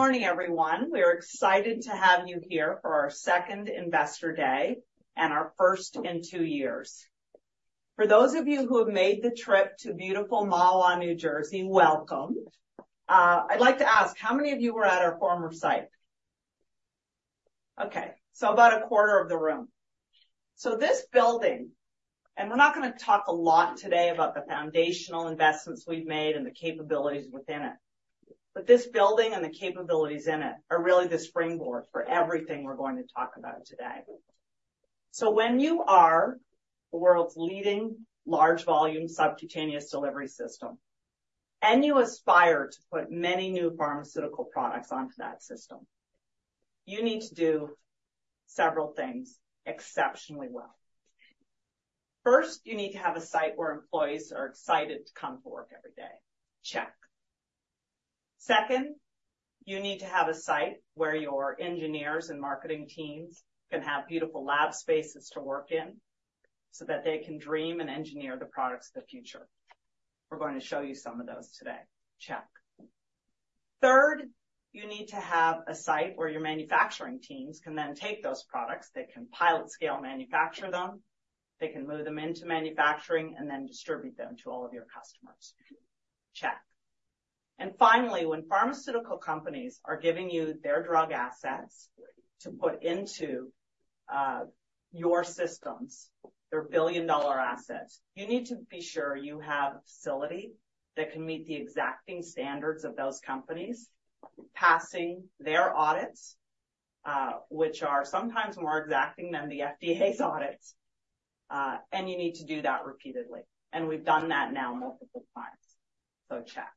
Good morning, everyone. We're excited to have you here for our second Investor Day and our first in two years. For those of you who have made the trip to beautiful Mahwah, New Jersey, welcome. I'd like to ask, how many of you were at our former site? Okay, so about a quarter of the room. So this building, and we're not gonna talk a lot today about the foundational investments we've made and the capabilities within it, but this building and the capabilities in it are really the springboard for everything we're going to talk about today. So when you are the world's leading large volume subcutaneous delivery system, and you aspire to put many new pharmaceutical products onto that system, you need to do several things exceptionally well. First, you need to have a site wh ere employees are excited to come to work every day. Check. Second, you need to have a site where your engineers and marketing teams can have beautiful lab spaces to work in so that they can dream and engineer the products of the future. We're going to show you some of those today. Check. Third, you need to have a site where your manufacturing teams can then take those products, they can pilot scale manufacture them, they can move them into manufacturing, and then distribute them to all of your customers. Check. And finally, when pharmaceutical companies are giving you their drug assets to put into your systems, their billion-dollar assets, you need to be sure you have a facility that can meet the exacting standards of those companies, passing their audits, which are sometimes more exacting than the FDA's audits. And you need to do that repeatedly, and we've done that now multiple times, so check.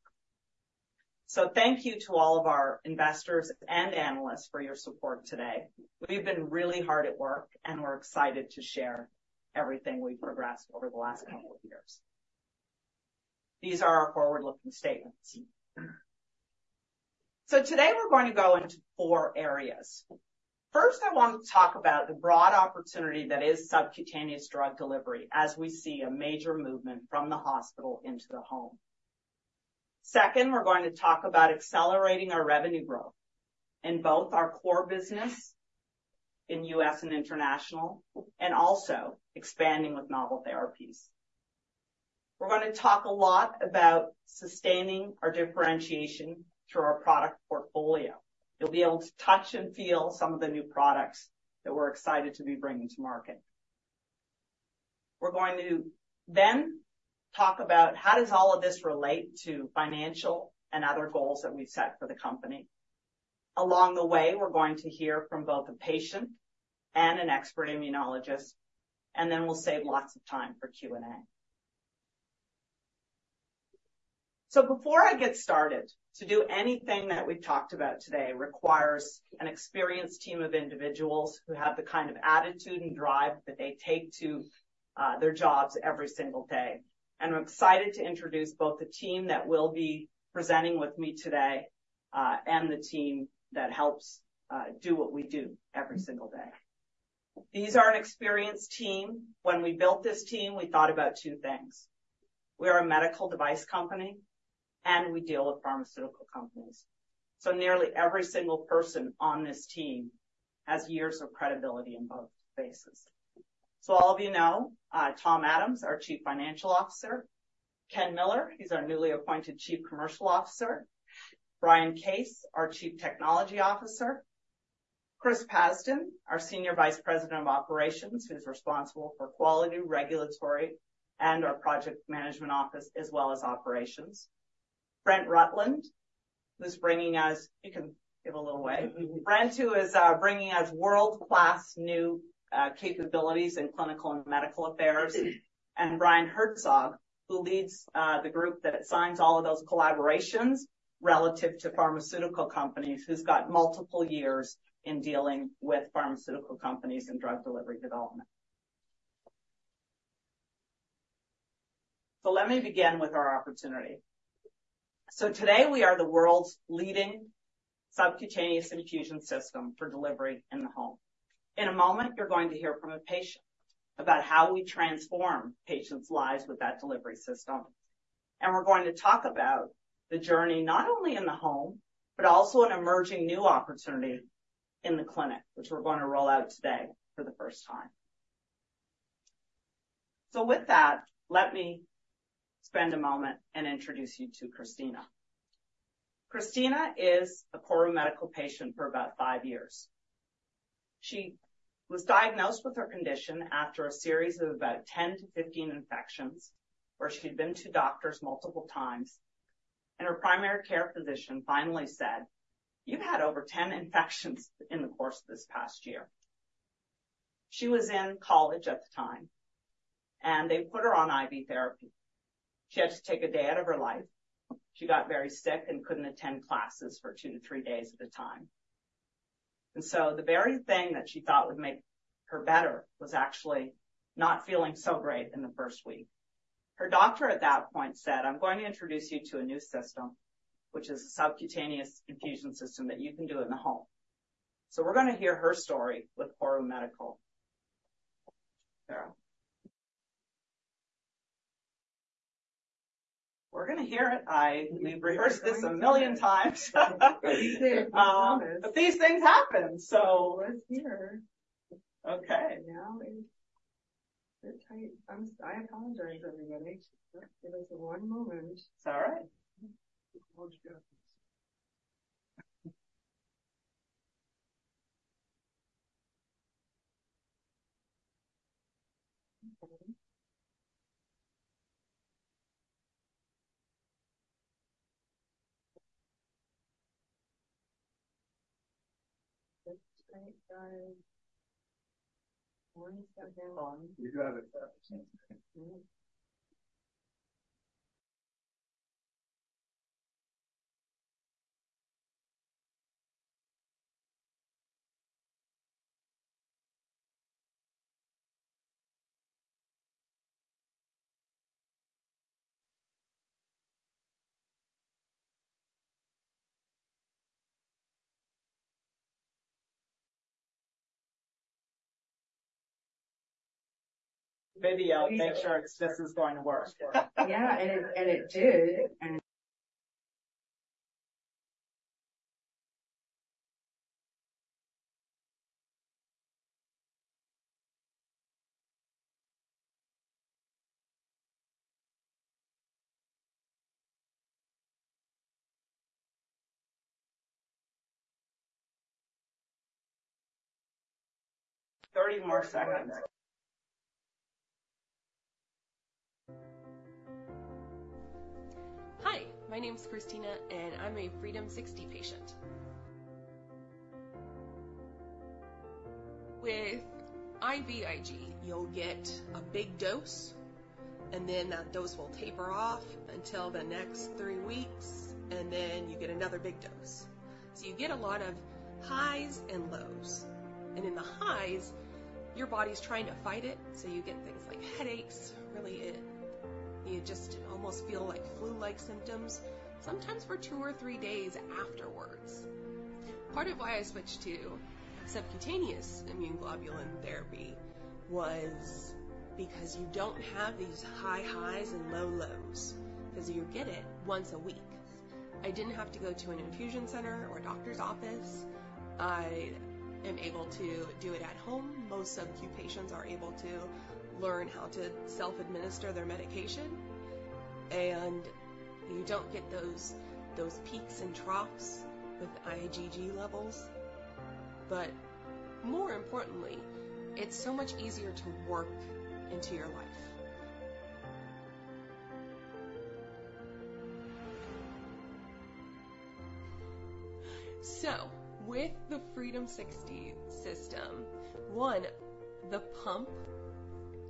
Thank you to all of our investors and analysts for your support today. We've been really hard at work, and we're excited to share everything we've progressed over the last couple of years. These are our forward-looking statements. Today we're going to go into four areas. First, I want to talk about the broad opportunity that is subcutaneous drug delivery, as we see a major movement from the hospital into the home. Second, we're going to talk about accelerating our revenue growth in both our core business in U.S. and international, and also expanding with novel therapies. We're gonna talk a lot about sustaining our differentiation through our product portfolio. You'll be able to touch and feel some of the new products that we're excited to be bringing to market. We're going to then talk about how does all of this relate to financial and other goals that we've set for the company. Along the way, we're going to hear from both a patient and an expert immunologist, and then we'll save lots of time for Q&A. So before I get started, to do anything that we've talked about today requires an experienced team of individuals who have the kind of attitude and drive that they take to their jobs every single day. I'm excited to introduce both the team that will be presenting with me today, and the team that helps do what we do every single day. These are an experienced team. When we built this team, we thought about two things: we are a medical device company, and we deal with pharmaceutical companies. So nearly every single person on this team has years of credibility in both spaces. So all of you know, Tom Adams, our Chief Financial Officer. Ken Miller, he's our newly appointed Chief Commercial Officer. Brian Case, our Chief Technology Officer. Chris Pazdan, our Senior Vice President of Operations, who's responsible for quality, regulatory, and our project management office, as well as operations. Brian Rutland, who's bringing us... You can give a little wave. Brian, who is, bringing us world-class new, capabilities in clinical and medical affairs. And Brian Herzog, who leads, the group that signs all of those collaborations relative to pharmaceutical companies, who's got multiple years in dealing with pharmaceutical companies and drug delivery development. So let me begin with our opportunity. So today, we are the world's leading subcutaneous infusion system for delivery in the home. In a moment, you're going to hear from a patient about how we transform patients' lives with that delivery system. We're going to talk about the journey, not only in the home, but also an emerging new opportunity in the clinic, which we're going to roll out today for the first time. With that, let me spend a moment and introduce you to Christina. Christina is a KORU Medical patient for about 5 years. She was diagnosed with her condition after a series of about 10-15 infections, where she'd been to doctors multiple times, and her primary care physician finally said, "You've had over 10 infections in the course of this past year." She was in college at the time, and they put her on IV therapy. She had to take a day out of her life. She got very sick and couldn't attend classes for two to three days at a time. And so the very thing that she thought would make her better was actually not feeling so great in the first week. Her doctor at that point said, "I'm going to introduce you to a new system, which is a subcutaneous infusion system that you can do in the home." So we're gonna hear her story with KORU Medical.... We're gonna hear it. I, we've rehearsed this a million times. We did. We promised. But these things happen, so— It was here. Okay. Now it— I'm, I apologize, everybody. Give us one moment. It's all right. Hold your— You got it. Video, make sure this is going to work. Yeah, and it did. 30 more seconds. Hi, my name is Christina, and I'm a Freedom60 patient. With IVIG, you'll get a big dose, and then that dose will taper off until the next three weeks, and then you get another big dose. So you get a lot of highs and lows, and in the highs, your body's trying to fight it, so you get things like headaches. You just almost feel like flu-like symptoms, sometimes for two or three days afterwards. Part of why I switched to subcutaneous immune globulin therapy was because you don't have these high highs and low lows, 'cause you get it once a week. I didn't have to go to an infusion center or doctor's office. I am able to do it at home. Most sub-Q patients are able to learn how to self-administer their medication, and you don't get those peaks and troughs with IgG levels. But more importantly, it's so much easier to work into your life. So with the Freedom60 system, one, the pump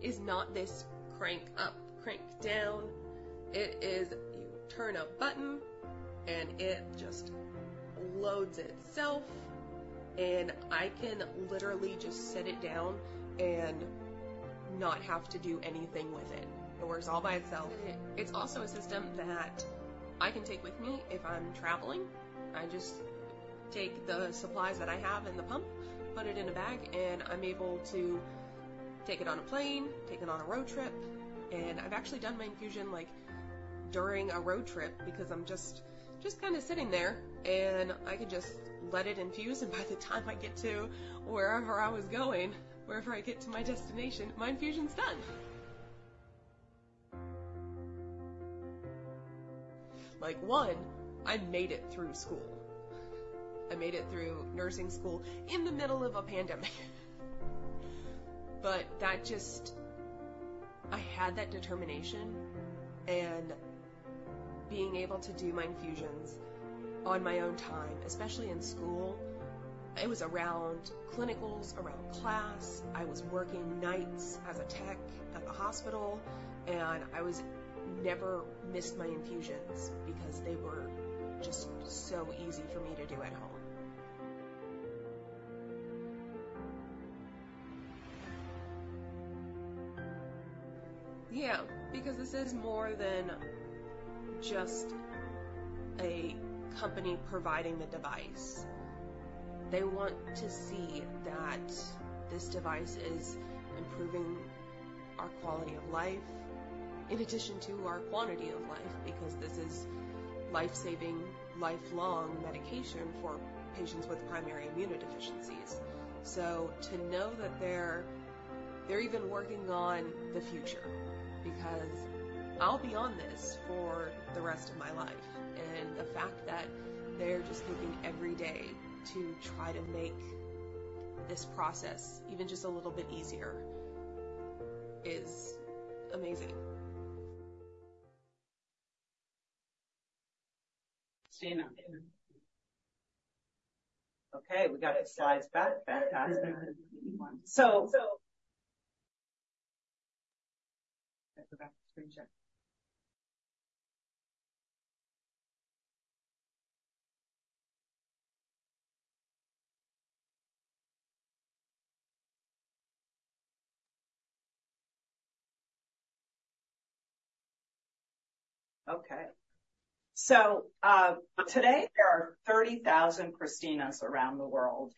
is not this crank up, crank down. It is, you turn a button, and it just loads itself, and I can literally just set it down and not have to do anything with it. It works all by itself. It's also a system that I can take with me if I'm traveling. I just take the supplies that I have in the pump, put it in a bag, and I'm able to take it on a plane, take it on a road trip, and I've actually done my infusion, like, during a road trip because I'm just, just kind of sitting there, and I can just let it infuse, and by the time I get to wherever I was going, wherever I get to my destination, my infusion's done. Like, one, I made it through school. I made it through nursing school in the middle of a pandemic. But that just—I had that determination and being able to do my infusions on my own time, especially in school, it was around clinicals, around class. I was working nights as a tech at the hospital, and I was never missed my infusions because they were just so easy for me to do at home. Yeah, because this is more than just a company providing the device. They want to see that this device is improving our quality of life, in addition to our quantity of life, because this is life-saving, lifelong medication for patients with primary immunodeficiencies. To know that they're even working on the future, because I'll be on this for the rest of my life, and the fact that they're just thinking every day to try to make this process even just a little bit easier is amazing. Christina. Okay, we got it sized back. Fantastic. So... Let's go back to screen share. Okay. So, today there are 30,000 Christinas around the world...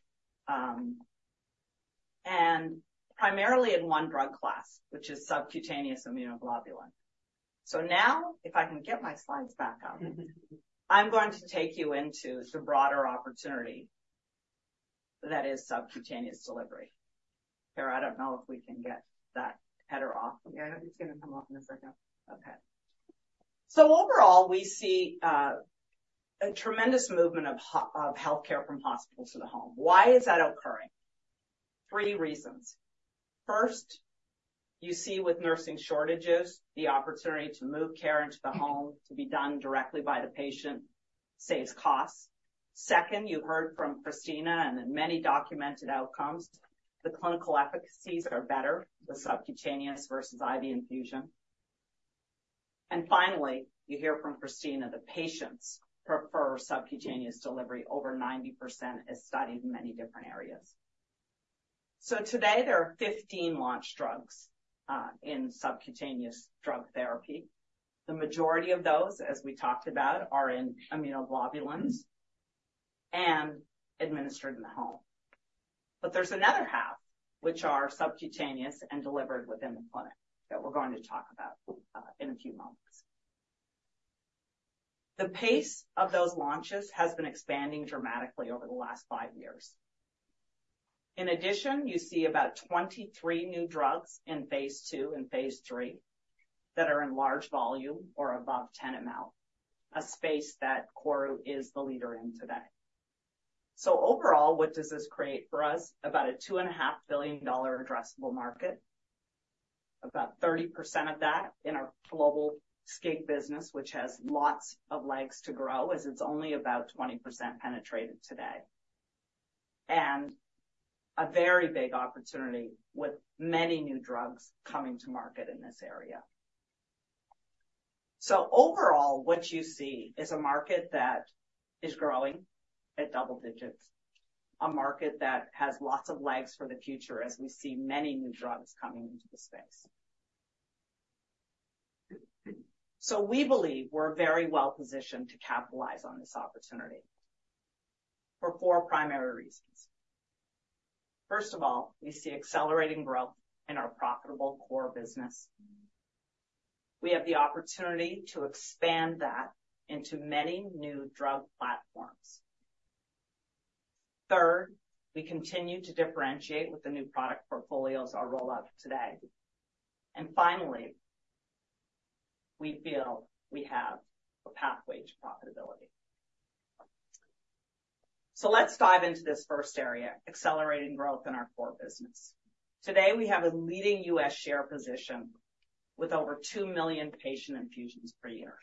and primarily in one drug class, which is subcutaneous immunoglobulin. So now, if I can get my slides back up, I'm going to take you into the broader opportunity, that is subcutaneous delivery. Kara, I don't know if we can get that header off. Yeah, it's going to come up in a second. Okay. Overall, we see a tremendous movement of healthcare from hospitals to the home. Why is that occurring? Three reasons. First, you see with nursing shortages, the opportunity to move care into the home to be done directly by the patient saves costs. Second, you heard from Christina, and in many documented outcomes, the clinical efficacies are better, the subcutaneous versus IV infusion. Finally, you hear from Christina, the patients prefer subcutaneous delivery. Over 90% is studied in many different areas. Today, there are 15 launched drugs in subcutaneous drug therapy. The majority of those, as we talked about, are in immunoglobulins and administered in the home. But there's another half, which are subcutaneous and delivered within the clinic, that we're going to talk about in a few moments. The pace of those launches has been expanding dramatically over the last 5 years. In addition, you see about 23 new drugs in phase II and phase III that are in large volume or above 10 mL, a space that KORU is the leader in today. So overall, what does this create for us? About a $2.5 billion addressable market. About 30% of that in our global SCIG business, which has lots of legs to grow, as it's only about 20% penetrated today. And a very big opportunity with many new drugs coming to market in this area. So overall, what you see is a market that is growing at double digits, a market that has lots of legs for the future as we see many new drugs coming into the space. We believe we're very well positioned to capitalize on this opportunity for 4 primary reasons. First of all, we see accelerating growth in our profitable core business. We have the opportunity to expand that into many new drug platforms. Third, we continue to differentiate with the new product portfolios I'll roll out today. And finally, we feel we have a pathway to profitability. Let's dive into this first area, accelerating growth in our core business. Today, we have a leading U.S. share position with over 2 million patient infusions per year.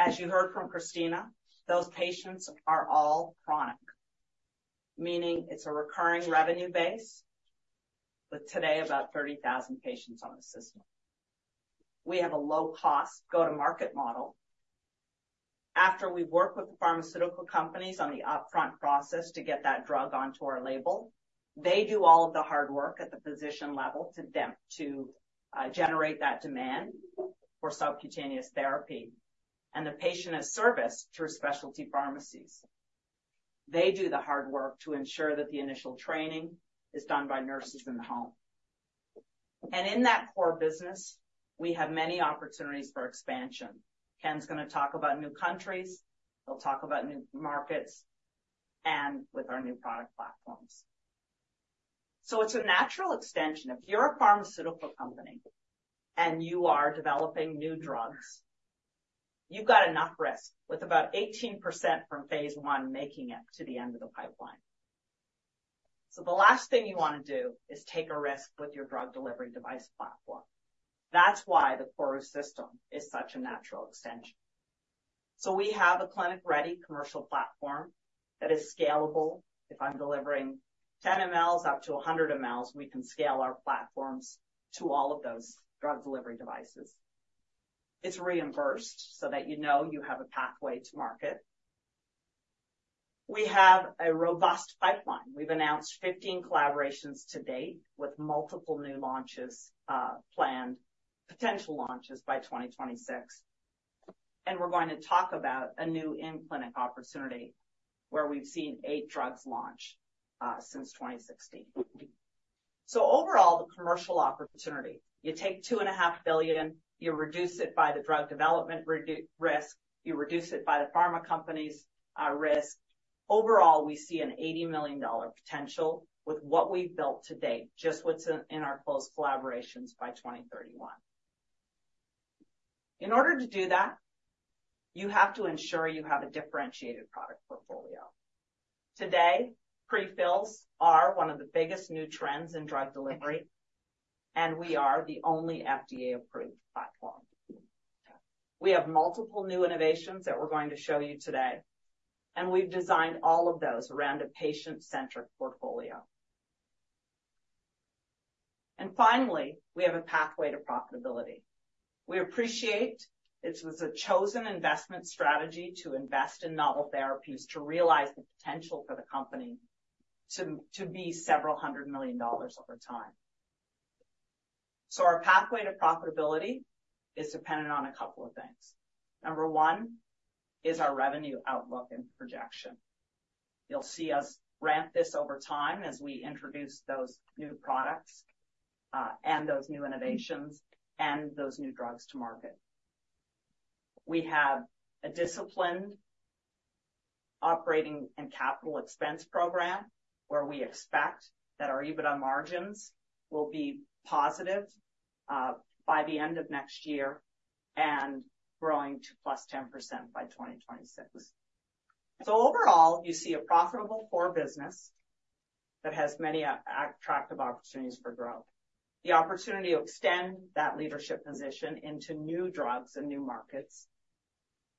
As you heard from Christina, those patients are all chronic, meaning it's a recurring revenue base, with today about 30,000 patients on the system. We have a low-cost go-to-market model. After we work with the pharmaceutical companies on the upfront process to get that drug onto our label, they do all of the hard work at the physician level to generate that demand for subcutaneous therapy, and the patient is serviced through specialty pharmacies. They do the hard work to ensure that the initial training is done by nurses in the home. And in that core business, we have many opportunities for expansion. Ken's going to talk about new countries, he'll talk about new markets, and with our new product platforms. So it's a natural extension. If you're a pharmaceutical company and you are developing new drugs, you've got enough risk, with about 18% from phase I making it to the end of the pipeline. So the last thing you want to do is take a risk with your drug delivery device platform. That's why the KORU system is such a natural extension. So we have a clinic-ready commercial platform that is scalable. If I'm delivering 10 mL up to 100 mL, we can scale our platforms to all of those drug delivery devices. It's reimbursed so that you know you have a pathway to market. We have a robust pipeline. We've announced 15 collaborations to date, with multiple new launches, planned, potential launches by 2026. And we're going to talk about a new in-clinic opportunity, where we've seen 8 drugs launch, since 2016. So overall, the commercial opportunity, you take $2.5 billion, you reduce it by the drug development risk, you reduce it by the pharma company's, risk. Overall, we see an $80 million potential with what we've built to date, just what's in, in our close collaborations by 2031. In order to do that, you have to ensure you have a differentiated product portfolio. Today, pre-fills are one of the biggest new trends in drug delivery, and we are the only FDA-approved platform. We have multiple new innovations that we're going to show you today, and we've designed all of those around a patient-centric portfolio. And finally, we have a pathway to profitability. We appreciate it was a chosen investment strategy to invest in novel therapies to realize the potential for the company to be $several hundred million over time... So our pathway to profitability is dependent on a couple of things. Number one is our revenue outlook and projection. You'll see us ramp this over time as we introduce those new products, and those new innovations and those new drugs to market. We have a disciplined operating and capital expense program, where we expect that our EBITDA margins will be positive by the end of next year and growing to +10% by 2026. So overall, you see a profitable core business that has many attractive opportunities for growth. The opportunity to extend that leadership position into new drugs and new markets,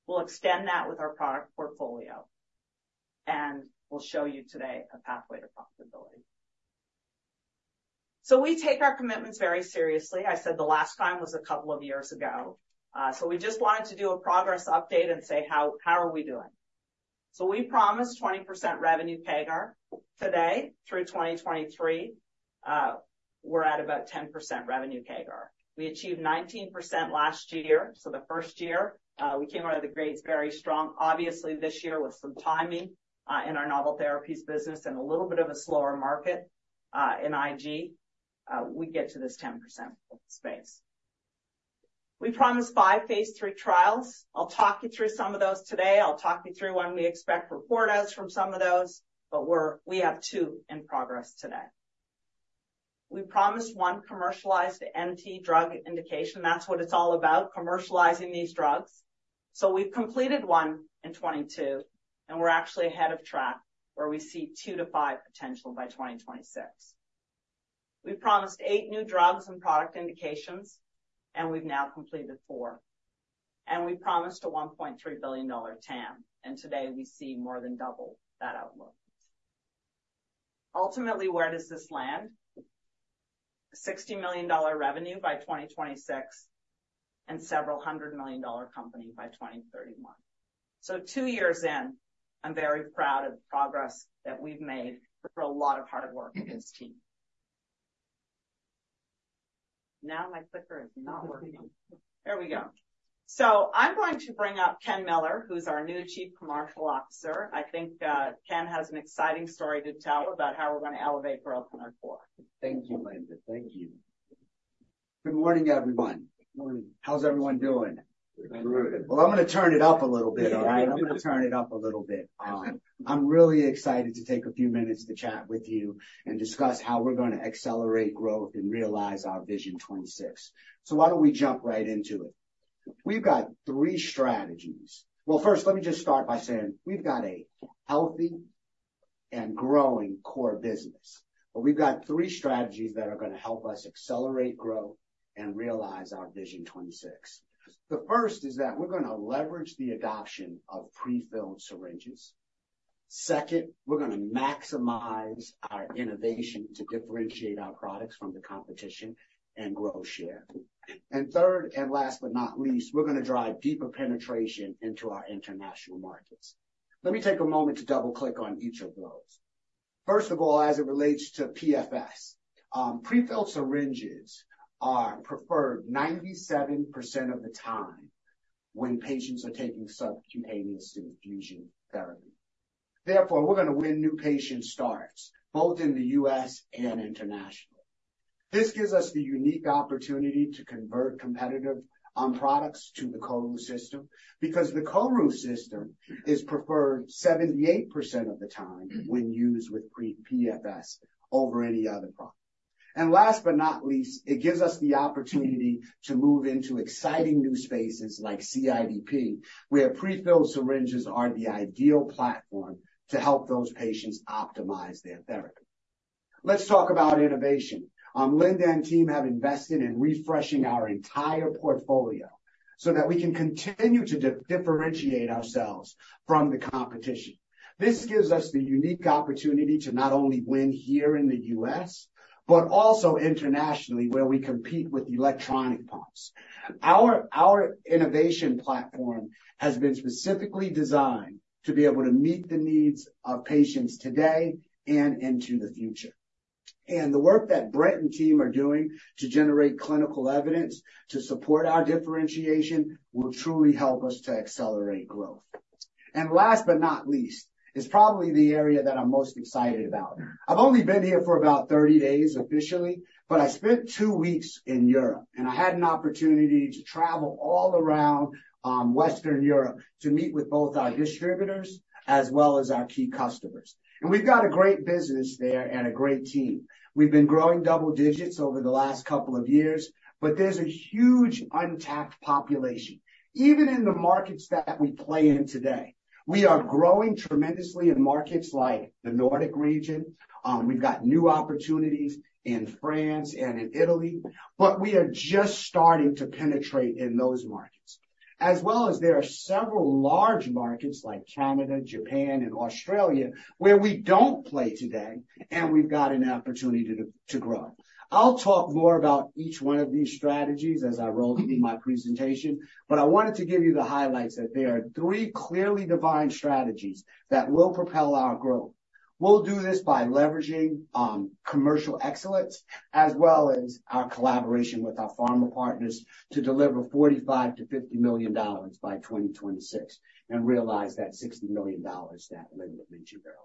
we'll extend that with our product portfolio, and we'll show you today a pathway to profitability. So we take our commitments very seriously. I said the last time was a couple of years ago. So we just wanted to do a progress update and say, how are we doing? So we promised 20% revenue CAGR. Today, through 2023, we're at about 10% revenue CAGR. We achieved 19% last year, so the first year, we came out of the gates very strong. Obviously, this year, with some timing in our novel therapies business and a little bit of a slower market in IG, we get to this 10% space. We promised five phase III trials. I'll talk you through some of those today. I'll talk you through when we expect report outs from some of those, but we have two in progress today. We promised one commercialized NT drug indication. That's what it's all about, commercializing these drugs. So we've completed one in 2022, and we're actually ahead of track, where we see 2-5 potential by 2026. We promised eight new drugs and product indications, and we've now completed four. And we promised a $1.3 billion TAM, and today we see more than double that outlook. Ultimately, where does this land? $60 million revenue by 2026, and several hundred million dollar company by 2031. So two years in, I'm very proud of the progress that we've made for a lot of hard work in this team. Now, my clicker is not working. There we go. So I'm going to bring up Ken Miller, who's our new Chief Commercial Officer. I think, Ken has an exciting story to tell about how we're gonna elevate growth in our core. Thank you, Linda. Thank you. Good morning, everyone. Good morning. How's everyone doing? Good. Well, I'm gonna turn it up a little bit, all right? I'm gonna turn it up a little bit. I'm really excited to take a few minutes to chat with you and discuss how we're gonna accelerate growth and realize our Vision 2026. So why don't we jump right into it? We've got three strategies. Well, first, let me just start by saying we've got a healthy and growing core business, but we've got three strategies that are gonna help us accelerate growth and realize our Vision 2026. The first is that we're gonna leverage the adoption of prefilled syringes. Second, we're gonna maximize our innovation to differentiate our products from the competition and grow share. And third, and last but not least, we're gonna drive deeper penetration into our international markets. Let me take a moment to double-click on each of those. First of all, as it relates to PFS, prefilled syringes are preferred 97% of the time when patients are taking subcutaneous infusion therapy. Therefore, we're gonna win new patient starts, both in the U.S. and internationally. This gives us the unique opportunity to convert competitive products to the KORU system, because the KORU system is preferred 78% of the time when used with pre PFS over any other product. And last but not least, it gives us the opportunity to move into exciting new spaces like CIDP, where prefilled syringes are the ideal platform to help those patients optimize their therapy. Let's talk about innovation. Linda and team have invested in refreshing our entire portfolio so that we can continue to differentiate ourselves from the competition. This gives us the unique opportunity to not only win here in the U.S., but also internationally, where we compete with electronic pumps. Our innovation platform has been specifically designed to be able to meet the needs of patients today and into the future. The work that Brian and team are doing to generate clinical evidence to support our differentiation will truly help us to accelerate growth. Last but not least, is probably the area that I'm most excited about. I've only been here for about 30 days officially, but I spent 2 weeks in Europe, and I had an opportunity to travel all around, Western Europe to meet with both our distributors as well as our key customers. We've got a great business there and a great team. We've been growing double digits over the last couple of years, but there's a huge untapped population. Even in the markets that we play in today, we are growing tremendously in markets like the Nordic region. We've got new opportunities in France and in Italy, but we are just starting to penetrate in those markets. As well as there are several large markets like Canada, Japan, and Australia, where we don't play today, and we've got an opportunity to grow. I'll talk more about each one of these strategies as I roll through my presentation, but I wanted to give you the highlights that there are three clearly defined strategies that will propel our growth. We'll do this by leveraging commercial excellence, as well as our collaboration with our pharma partners to deliver $45 million-$50 million by 2026, and realize that $60 million that Linda mentioned earlier.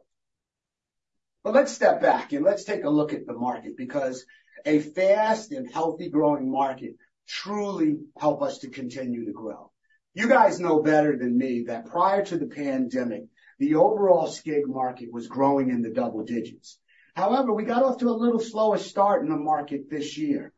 But let's step back and let's take a look at the market, because a fast and healthy growing market truly help us to continue to grow. You guys know better than me that prior to the pandemic, the overall SCIG market was growing in the double digits. However, we got off to a little slower start in the market this year.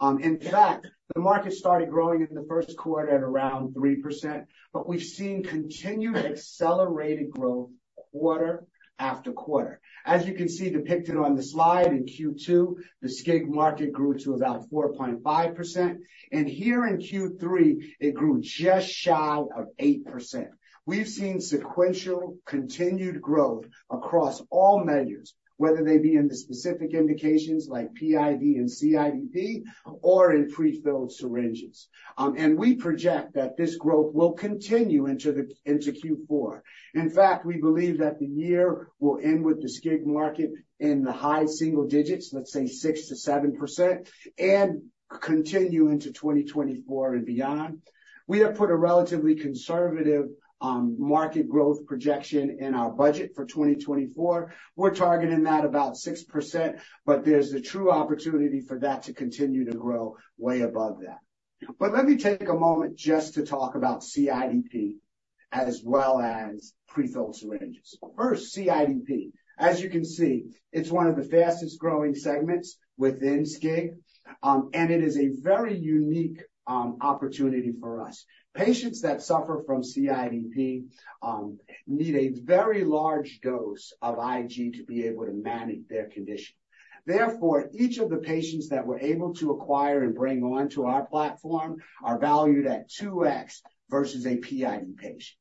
In fact, the market started growing in the first quarter at around 3%, but we've seen continued accelerated growth quarter after quarter. As you can see depicted on the slide, in Q2, the SCIG market grew to about 4.5%, and here in Q3, it grew just shy of 8%. We've seen sequential continued growth across all measures, whether they be in the specific indications like PID and CIDP or in pre-filled syringes. And we project that this growth will continue into the, into Q4. In fact, we believe that the year will end with the SCIG market in the high single digits, let's say 6%-7%, and continue into 2024 and beyond. We have put a relatively conservative, market growth projection in our budget for 2024. We're targeting that about 6%, but there's a true opportunity for that to continue to grow way above that. But let me take a moment just to talk about CIDP as well as pre-filled syringes. First, CIDP. As you can see, it's one of the fastest growing segments within SCIG, and it is a very unique opportunity for us. Patients that suffer from CIDP need a very large dose of IG to be able to manage their condition. Therefore, each of the patients that we're able to acquire and bring onto our platform are valued at 2x versus a PID patient.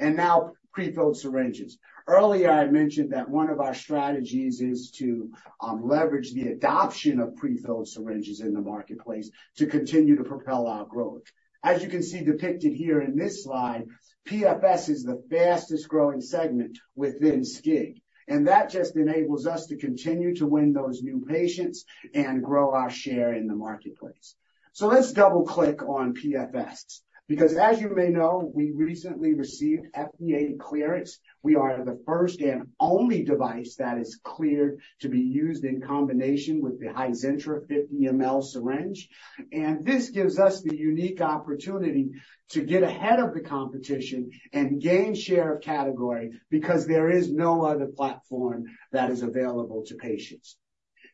And now, pre-filled syringes. Earlier, I mentioned that one of our strategies is to leverage the adoption of pre-filled syringes in the marketplace to continue to propel our growth. As you can see depicted here in this slide, PFS is the fastest growing segment within SCIG, and that just enables us to continue to win those new patients and grow our share in the marketplace. Let's double-click on PFS, because as you may know, we recently received FDA clearance. We are the first and only device that is cleared to be used in combination with the Hizentra 50 mL syringe, and this gives us the unique opportunity to get ahead of the competition and gain share of category, because there is no other platform that is available to patients.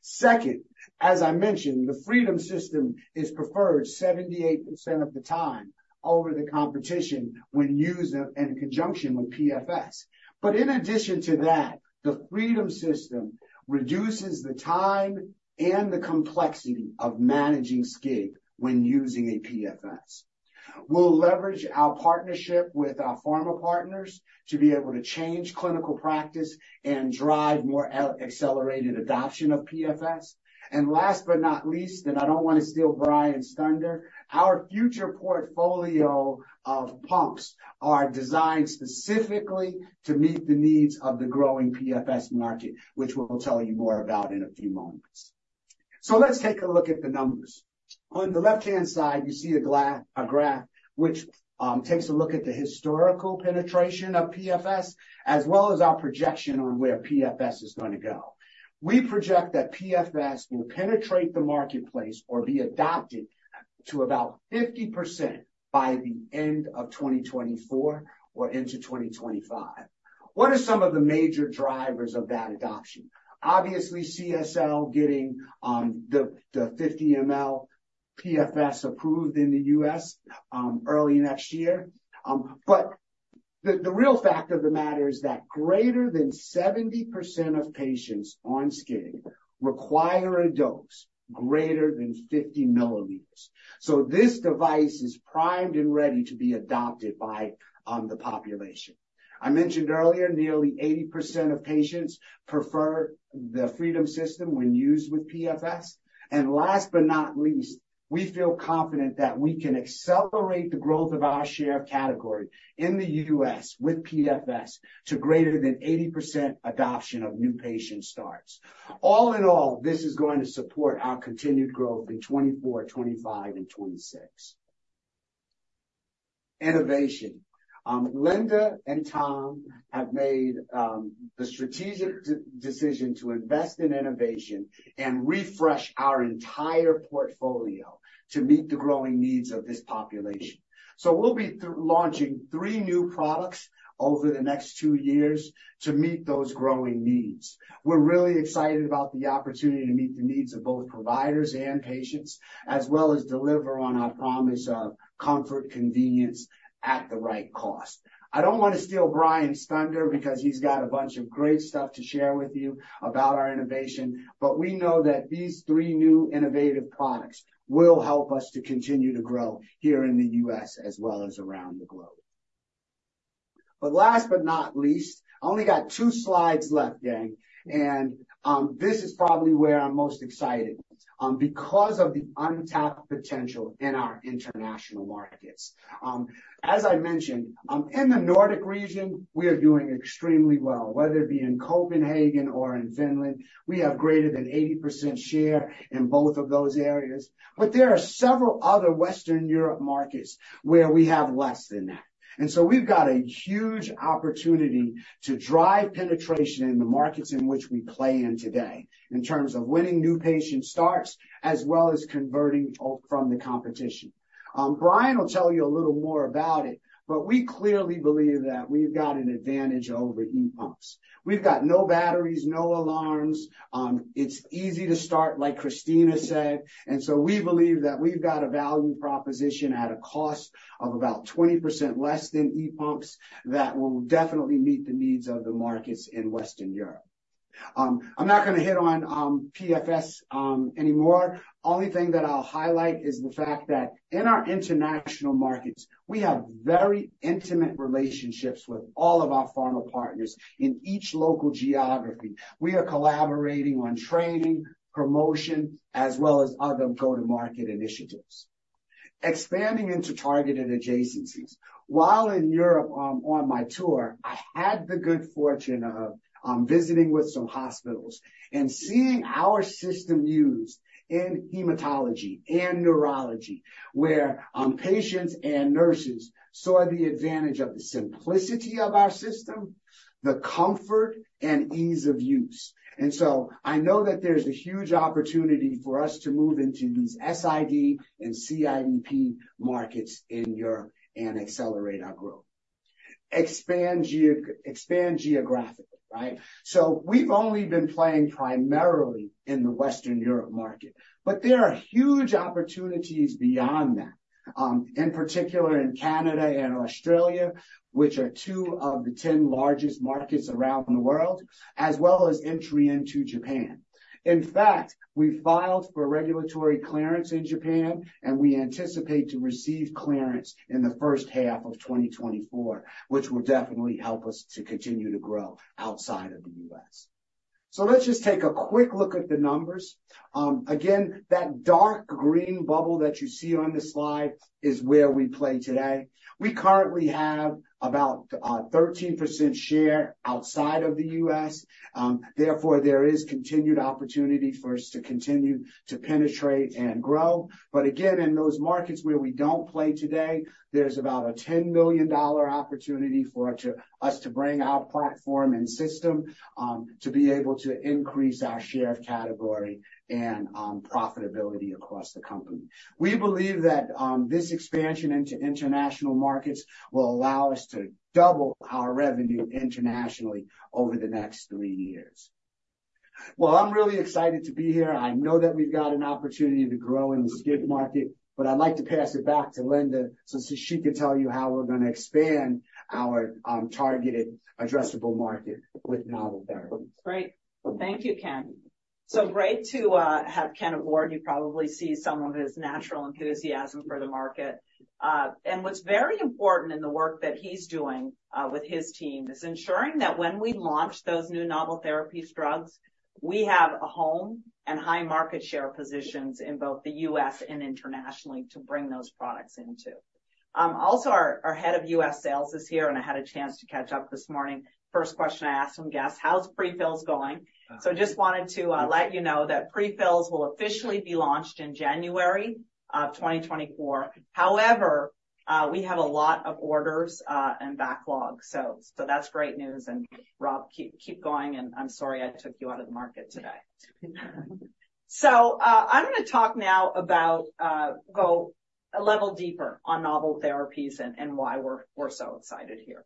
Second, as I mentioned, the Freedom system is preferred 78% of the time over the competition when used in conjunction with PFS. But in addition to that, the Freedom system reduces the time and the complexity of managing SCIG when using a PFS. We'll leverage our partnership with our pharma partners to be able to change clinical practice and drive more accelerated adoption of PFS. And last but not least, and I don't wanna steal Brian's thunder, our future portfolio of pumps are designed specifically to meet the needs of the growing PFS market, which we'll tell you more about in a few moments. So let's take a look at the numbers. On the left-hand side, you see a graph which takes a look at the historical penetration of PFS, as well as our projection on where PFS is gonna go. We project that PFS will penetrate the marketplace or be adopted to about 50% by the end of 2024 or into 2025. What are some of the major drivers of that adoption? Obviously, CSL getting the 50 mL PFS approved in the U.S., early next year. But the real fact of the matter is that greater than 70% of patients on SCIG require a dose greater than 50 milliliters. So this device is primed and ready to be adopted by the population. I mentioned earlier, nearly 80% of patients prefer the Freedom system when used with PFS. And last but not least, we feel confident that we can accelerate the growth of our share of category in the U.S. with PFS to greater than 80% adoption of new patient starts. All in all, this is going to support our continued growth in 2024, 2025, and 2026. Innovation. Linda and Tom have made the strategic decision to invest in innovation and refresh our entire portfolio to meet the growing needs of this population. So we'll be launching three new products over the next two years to meet those growing needs. We're really excited about the opportunity to meet the needs of both providers and patients, as well as deliver on our promise of comfort, convenience at the right cost. I don't wanna steal Brian's thunder because he's got a bunch of great stuff to share with you about our innovation, but we know that these three new innovative products will help us to continue to grow here in the U.S., as well as around the globe. But last but not least, I only got two slides left, gang, and this is probably where I'm most excited, because of the untapped potential in our international markets. As I mentioned, in the Nordic region, we are doing extremely well, whether it be in Copenhagen or in Finland. We have greater than 80% share in both of those areas. But there are several other Western Europe markets where we have less than that. And so we've got a huge opportunity to drive penetration in the markets in which we play in today, in terms of winning new patient starts, as well as converting from the competition. Brian will tell you a little more about it, but we clearly believe that we've got an advantage over e-pumps. We've got no batteries, no alarms, it's easy to start, like Christina said, and so we believe that we've got a value proposition at a cost of about 20% less than e-pumps, that will definitely meet the needs of the markets in Western Europe. I'm not gonna hit on PFS anymore. only thing that I'll highlight is the fact that in our international markets, we have very intimate relationships with all of our pharma partners in each local geography. We are collaborating on training, promotion, as well as other go-to-market initiatives. Expanding into targeted adjacencies. While in Europe, on my tour, I had the good fortune of visiting with some hospitals and seeing our system used in hematology and neurology, where patients and nurses saw the advantage of the simplicity of our system, the comfort and ease of use. And so I know that there's a huge opportunity for us to move into these SID and CIDP markets in Europe and accelerate our growth. Expand geographically, right? So we've only been playing primarily in the Western Europe market, but there are huge opportunities beyond that, in particular in Canada and Australia, which are two of the 10 largest markets around the world, as well as entry into Japan. In fact, we filed for regulatory clearance in Japan, and we anticipate to receive clearance in the first half of 2024, which will definitely help us to continue to grow outside of the U.S. So let's just take a quick look at the numbers. Again, that dark green bubble that you see on the slide is where we play today. We currently have about 13% share outside of the U.S., therefore, there is continued opportunity for us to continue to penetrate and grow. But again, in those markets where we don't play today, there's about a $10 million opportunity for us to bring our platform and system to be able to increase our share of category and profitability across the company. We believe that this expansion into international markets will allow us to double our revenue internationally over the next three years. Well, I'm really excited to be here. I know that we've got an opportunity to grow in the SCIG market, but I'd like to pass it back to Linda, so she can tell you how we're gonna expand our targeted addressable market with novel therapies. Great. Thank you, Ken. So great to have Ken aboard. You probably see some of his natural enthusiasm for the market. And what's very important in the work that he's doing with his team is ensuring that when we launch those new novel therapies drugs, we have a home and high market share positions in both the U.S. and internationally to bring those products into. Also, our head of U.S. sales is here, and I had a chance to catch up this morning. First question I asked him, "Guess, how's pre-fills going?" So just wanted to let you know that pre-fills will officially be launched in January of 2024. However, we have a lot of orders and backlogs, so that's great news. And Rob, keep going, and I'm sorry I took you out of the market today. So, I'm gonna talk now about... go a level deeper on novel therapies and why we're so excited here.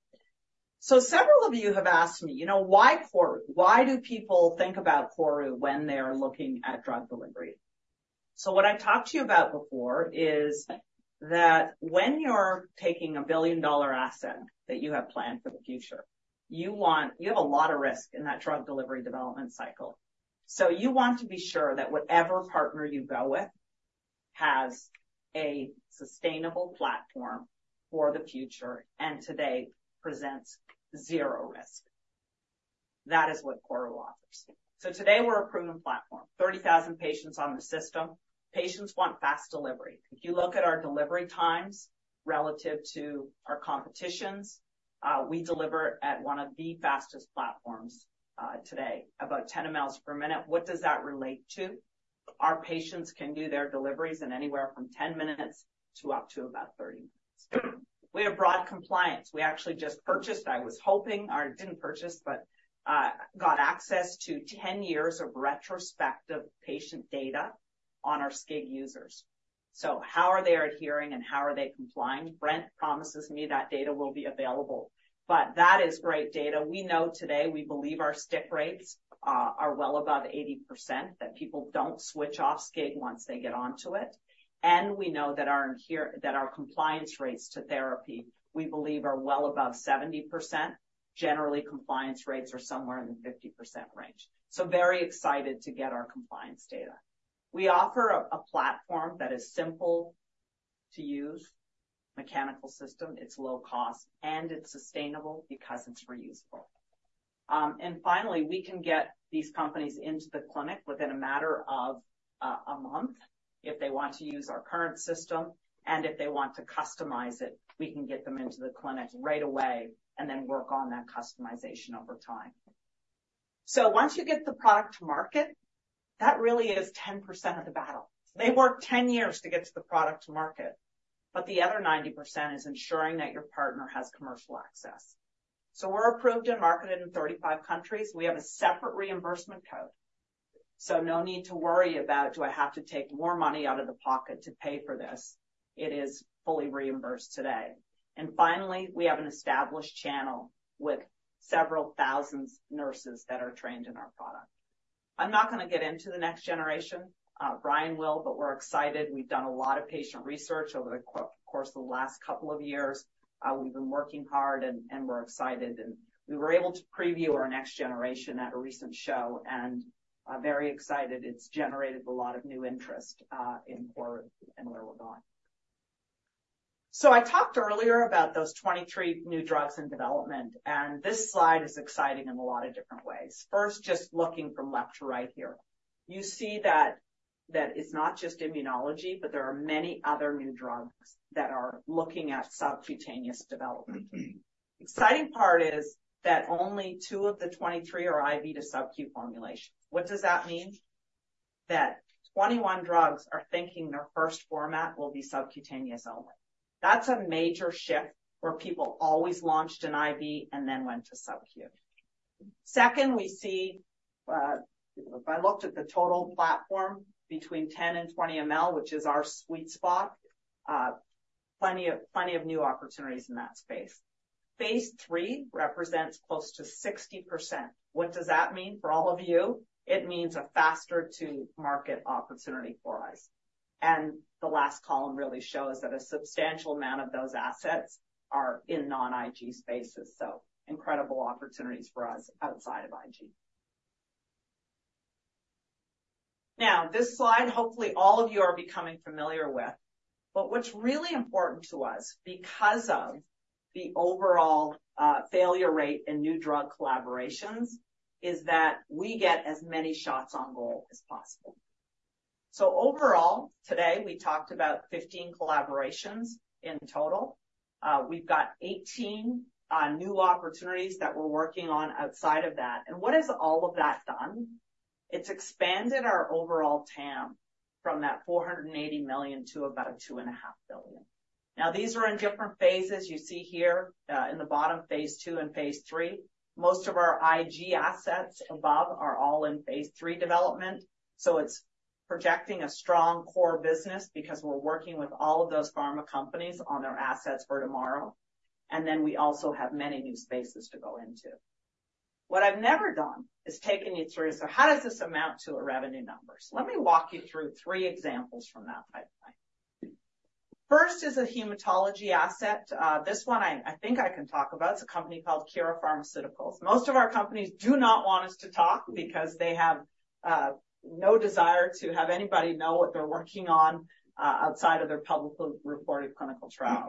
So several of you have asked me, "You know, why KORU? Why do people think about KORU when they're looking at drug delivery?" So what I've talked to you about before is that when you're taking a billion-dollar asset that you have planned for the future, you want-- you have a lot of risk in that drug delivery development cycle. So you want to be sure that whatever partner you go with has a sustainable platform for the future, and today presents zero risk. That is what KORU offers. So today, we're a proven platform, 30,000 patients on the system. Patients want fast delivery. If you look at our delivery times relative to our competitions, we deliver at one of the fastest platforms today, about 10 mL per minute. What does that relate to? Our patients can do their deliveries in anywhere from 10 minutes to up to about 30 minutes. We have broad compliance. We actually just purchased, I was hoping... didn't purchase, but, got access to 10 years of retrospective patient data on our SCIG users. So how are they adhering, and how are they complying? Brian promises me that data will be available, but that is great data. We know today, we believe our stick rates are well above 80%, that people don't switch off SCIG once they get onto it. And we know that our adhere-- that our compliance rates to therapy, we believe, are well above 70%.... Generally, compliance rates are somewhere in the 50% range. So very excited to get our compliance data. We offer a platform that is simple to use, mechanical system, it's low cost, and it's sustainable because it's reusable. And finally, we can get these companies into the clinic within a matter of a month if they want to use our current system, and if they want to customize it, we can get them into the clinic right away and then work on that customization over time. So once you get the product to market, that really is 10% of the battle. They work 10 years to get to the product to market, but the other 90% is ensuring that your partner has commercial access. So we're approved and marketed in 35 countries. We have a separate reimbursement code, so no need to worry about, "Do I have to take more money out of the pocket to pay for this?" It is fully reimbursed today. And finally, we have an established channel with several thousand nurses that are trained in our product. I'm not going to get into the next generation, Brian will, but we're excited. We've done a lot of patient research over the course of the last couple of years. We've been working hard, and we're excited, and we were able to preview our next generation at a recent show, and I'm very excited. It's generated a lot of new interest in KORU and where we're going. So I talked earlier about those 23 new drugs in development, and this slide is exciting in a lot of different ways. First, just looking from left to right here, you see that, that it's not just immunology, but there are many other new drugs that are looking at subcutaneous development. Exciting part is that only two of the 23 are IV to subcu formulations. What does that mean? That 21 drugs are thinking their first format will be subcutaneous only. That's a major shift where people always launched an IV and then went to subcu. Second, we see, if I looked at the total platform between 10 and 20 ml, which is our sweet spot, plenty of, plenty of new opportunities in that space. Phase 3 represents close to 60%. What does that mean for all of you? It means a faster-to-market opportunity for us. The last column really shows that a substantial amount of those assets are in non-IG spaces, so incredible opportunities for us outside of IG. Now, this slide, hopefully, all of you are becoming familiar with, but what's really important to us, because of the overall, failure rate in new drug collaborations, is that we get as many shots on goal as possible. So overall, today, we talked about 15 collaborations in total. We've got 18 new opportunities that we're working on outside of that. And what has all of that done? It's expanded our overall TAM from that $480 million to about a $2.5 billion. Now, these are in different phases. You see here, in the bottom, phase two and phase three. Most of our IG assets above are all in phase three development, so it's projecting a strong core business because we're working with all of those pharma companies on their assets for tomorrow, and then we also have many new spaces to go into. What I've never done is taken you through, so how does this amount to a revenue number? So let me walk you through three examples from that pipeline. First is a hematology asset. This one I think I can talk about. It's a company called Kira Pharmaceuticals. Most of our companies do not want us to talk because they have no desire to have anybody know what they're working on outside of their publicly reported clinical trial.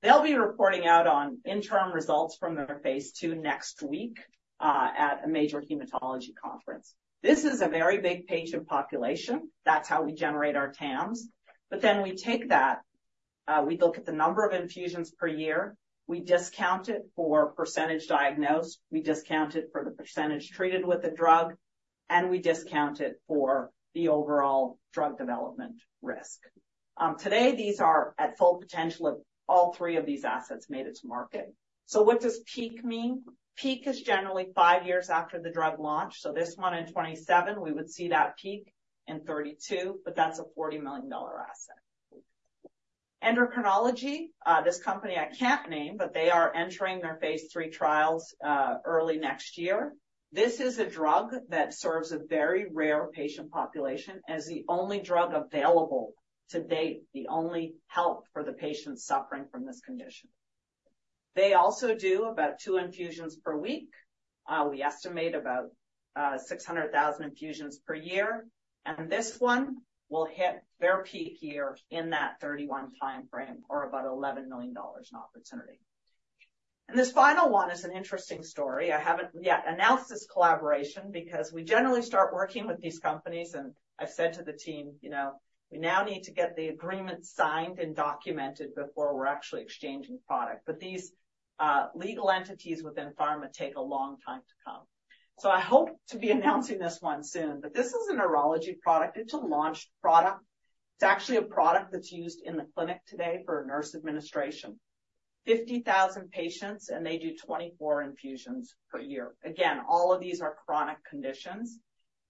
They'll be reporting out on interim results from their phase two next week at a major hematology conference. This is a very big patient population. That's how we generate our TAMs. But then we take that, we look at the number of infusions per year, we discount it for percentage diagnosed, we discount it for the percentage treated with the drug, and we discount it for the overall drug development risk. Today, these are at full potential if all three of these assets made it to market. So what does peak mean? Peak is generally five years after the drug launch. So this one in 2027, we would see that peak in 2032, but that's a $40 million asset. Endocrinology, this company I can't name, but they are entering their Phase 3 trials, early next year. This is a drug that serves a very rare patient population as the only drug available to date, the only help for the patients suffering from this condition. They also do about 2 infusions per week. We estimate about 600,000 infusions per year, and this one will hit their peak year in that 2031 timeframe, or about $11 million in opportunity. And this final one is an interesting story. I haven't yet announced this collaboration because we generally start working with these companies, and I've said to the team, "You know, we now need to get the agreement signed and documented before we're actually exchanging product." But these legal entities within pharma take a long time to come. So I hope to be announcing this one soon, but this is a neurology product. It's a launched product. It's actually a product that's used in the clinic today for nurse administration. 50,000 patients, and they do 24 infusions per year. Again, all of these are chronic conditions.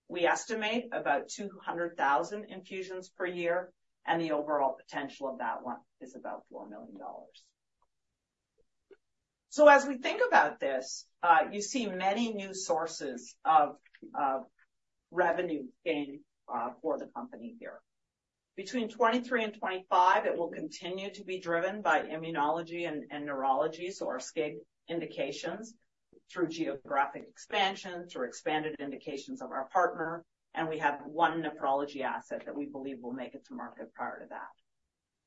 We estimate about 200,000 infusions per year, and the overall potential of that one is about $4 million. So as we think about this, you see many new sources of revenue gain for the company here. Between 2023 and 2025, it will continue to be driven by immunology and neurology, so our SCIG indications, through geographic expansions or expanded indications of our partner, and we have one nephrology asset that we believe will make it to market prior to that.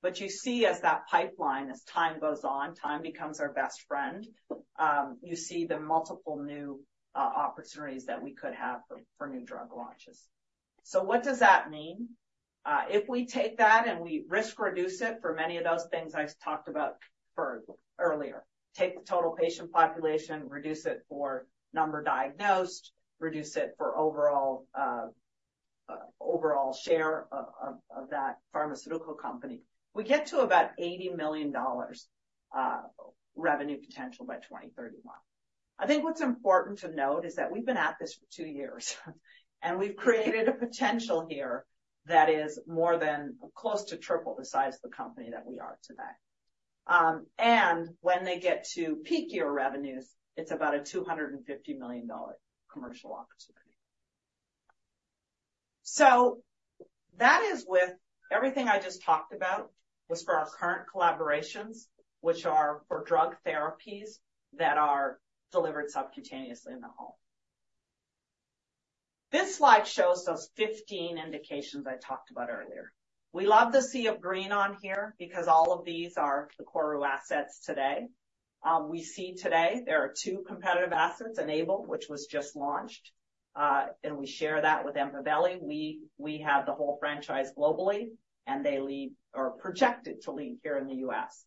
But you see as that pipeline, as time goes on, time becomes our best friend. You see the multiple new opportunities that we could have for new drug launches. So what does that mean? If we take that and we risk reduce it for many of those things I've talked about for earlier, take the total patient population, reduce it for number diagnosed, reduce it for overall, overall share of that pharmaceutical company. We get to about $80 million revenue potential by 2031. I think what's important to note is that we've been at this for 2 years, and we've created a potential here that is more than close to triple the size of the company that we are today. And when they get to peak year revenues, it's about a $250 million commercial opportunity. So that is with everything I just talked about, was for our current collaborations, which are for drug therapies that are delivered subcutaneously in the home. This slide shows those 15 indications I talked about earlier. We love the sea of green on here because all of these are the KORU assets today. We see today there are two competitive assets, Enable, which was just launched, and we share that with Empaveli. We, we have the whole franchise globally, and they lead or are projected to lead here in the U.S.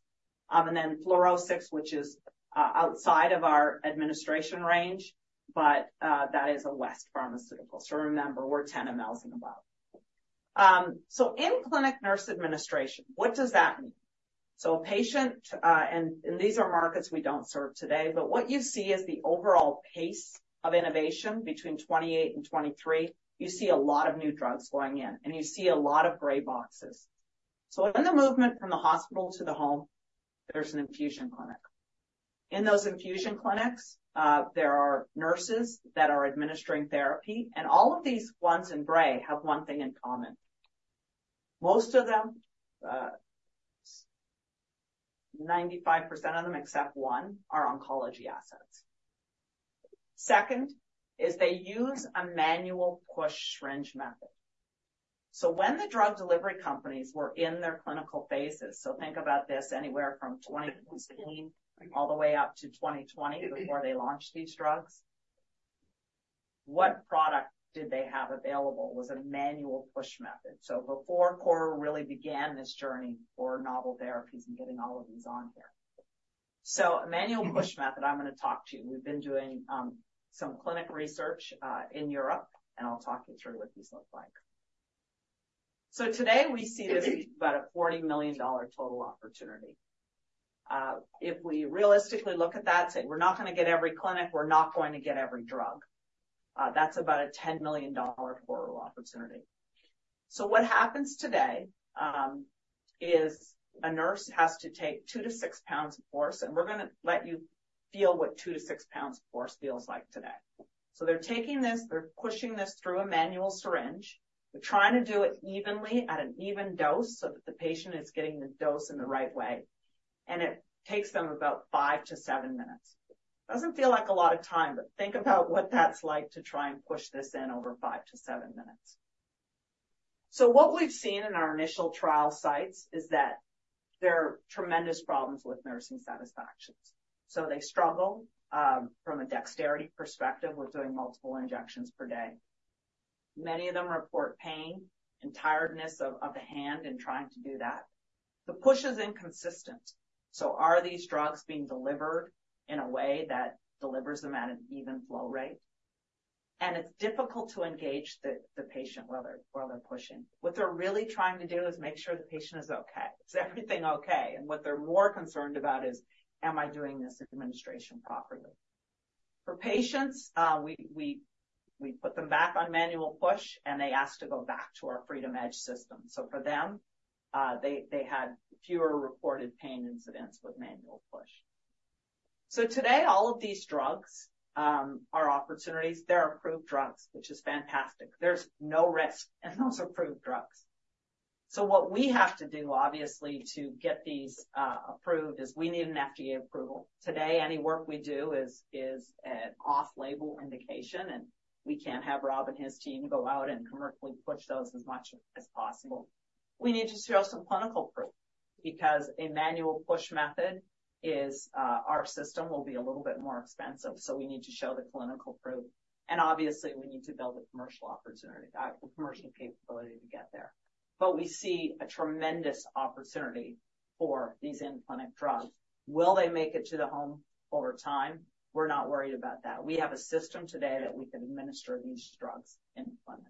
And then Furoscix, which is outside of our administration range, but that is a West Pharmaceutical. So remember, we're 10 mL and above. So in-clinic nurse administration, what does that mean? So a patient, and, and these are markets we don't serve today, but what you see is the overall pace of innovation between 2018 and 2023. You see a lot of new drugs going in, and you see a lot of gray boxes. So in the movement from the hospital to the home, there's an infusion clinic. In those infusion clinics, there are nurses that are administering therapy, and all of these ones in gray have one thing in common. Most of them, 95% of them, except one, are oncology assets. Second, is they use a manual push syringe method. So when the drug delivery companies were in their clinical phases, so think about this anywhere from 2016 all the way up to 2020, before they launched these drugs, what product did they have available? Was it a manual push method? So before KORU really began this journey for novel therapies and getting all of these on here. So a manual push method, I'm going to talk to you. We've been doing some clinical research in Europe, and I'll talk you through what these look like. So today, we see this as about a $40 million total opportunity. If we realistically look at that and say, we're not going to get every clinic, we're not going to get every drug, that's about a $10 million KORU opportunity. So what happens today is a nurse has to take 2-6 pounds of force, and we're going to let you feel what 2-6 pounds of force feels like today. So they're taking this, they're pushing this through a manual syringe. They're trying to do it evenly at an even dose so that the patient is getting the dose in the right way, and it takes them about 5-7 minutes. Doesn't feel like a lot of time, but think about what that's like to try and push this in over 5-7 minutes. So what we've seen in our initial trial sites is that there are tremendous problems with nursing satisfactions. So they struggle from a dexterity perspective with doing multiple injections per day. Many of them report pain and tiredness of the hand in trying to do that. The push is inconsistent, so are these drugs being delivered in a way that delivers them at an even flow rate? And it's difficult to engage the patient while they're pushing. What they're really trying to do is make sure the patient is okay. Is everything okay? And what they're more concerned about is, "Am I doing this administration properly?" For patients, we put them back on manual push, and they asked to go back to our FreedomEdge system. So for them, they had fewer reported pain incidents with manual push. So today, all of these drugs are opportunities. They're approved drugs, which is fantastic. There's no risk, and those are approved drugs. So what we have to do, obviously, to get these approved, is we need an FDA approval. Today, any work we do is an off-label indication, and we can't have Rob and his team go out and commercially push those as much as possible. We need to show some clinical proof because a manual push method is our system will be a little bit more expensive, so we need to show the clinical proof. And obviously, we need to build a commercial opportunity, commercial capability to get there. But we see a tremendous opportunity for these in-clinic drugs. Will they make it to the home over time? We're not worried about that. We have a system today that we can administer these drugs in the clinic.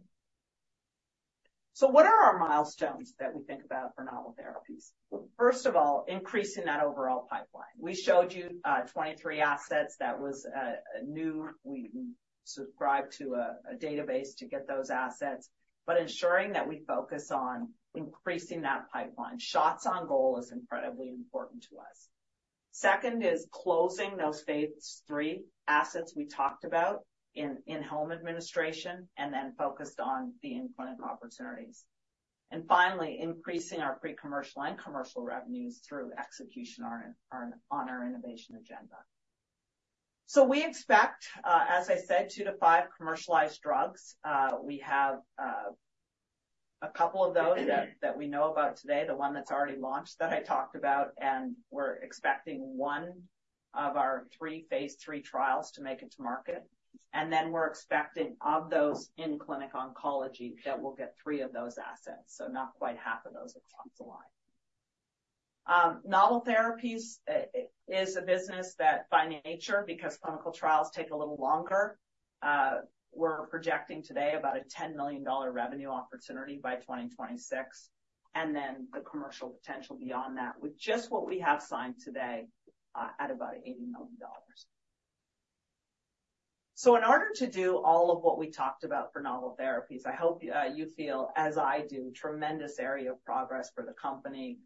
So what are our milestones that we think about for novel therapies? Well, first of all, increasing that overall pipeline. We showed you 23 assets. That was a new—we subscribed to a database to get those assets, but ensuring that we focus on increasing that pipeline. Shots on goal is incredibly important to us. Second is closing those phase three assets we talked about in-home administration, and then focused on the in-clinic opportunities. And finally, increasing our pre-commercial and commercial revenues through execution on our innovation agenda. So we expect, as I said, 2-5 commercialized drugs. We have a couple of those that we know about today, the one that's already launched that I talked about, and we're expecting one of our three Phase 3 trials to make it to market. And then we're expecting, of those in clinic oncology, that we'll get three of those assets, so not quite half of those across the line. Novel therapies is a business that, by nature, because clinical trials take a little longer, we're projecting today about a $10 million revenue opportunity by 2026, and then the commercial potential beyond that with just what we have signed today at about $80 million. So in order to do all of what we talked about for novel therapies, I hope, you feel, as I do, tremendous area of progress for the company,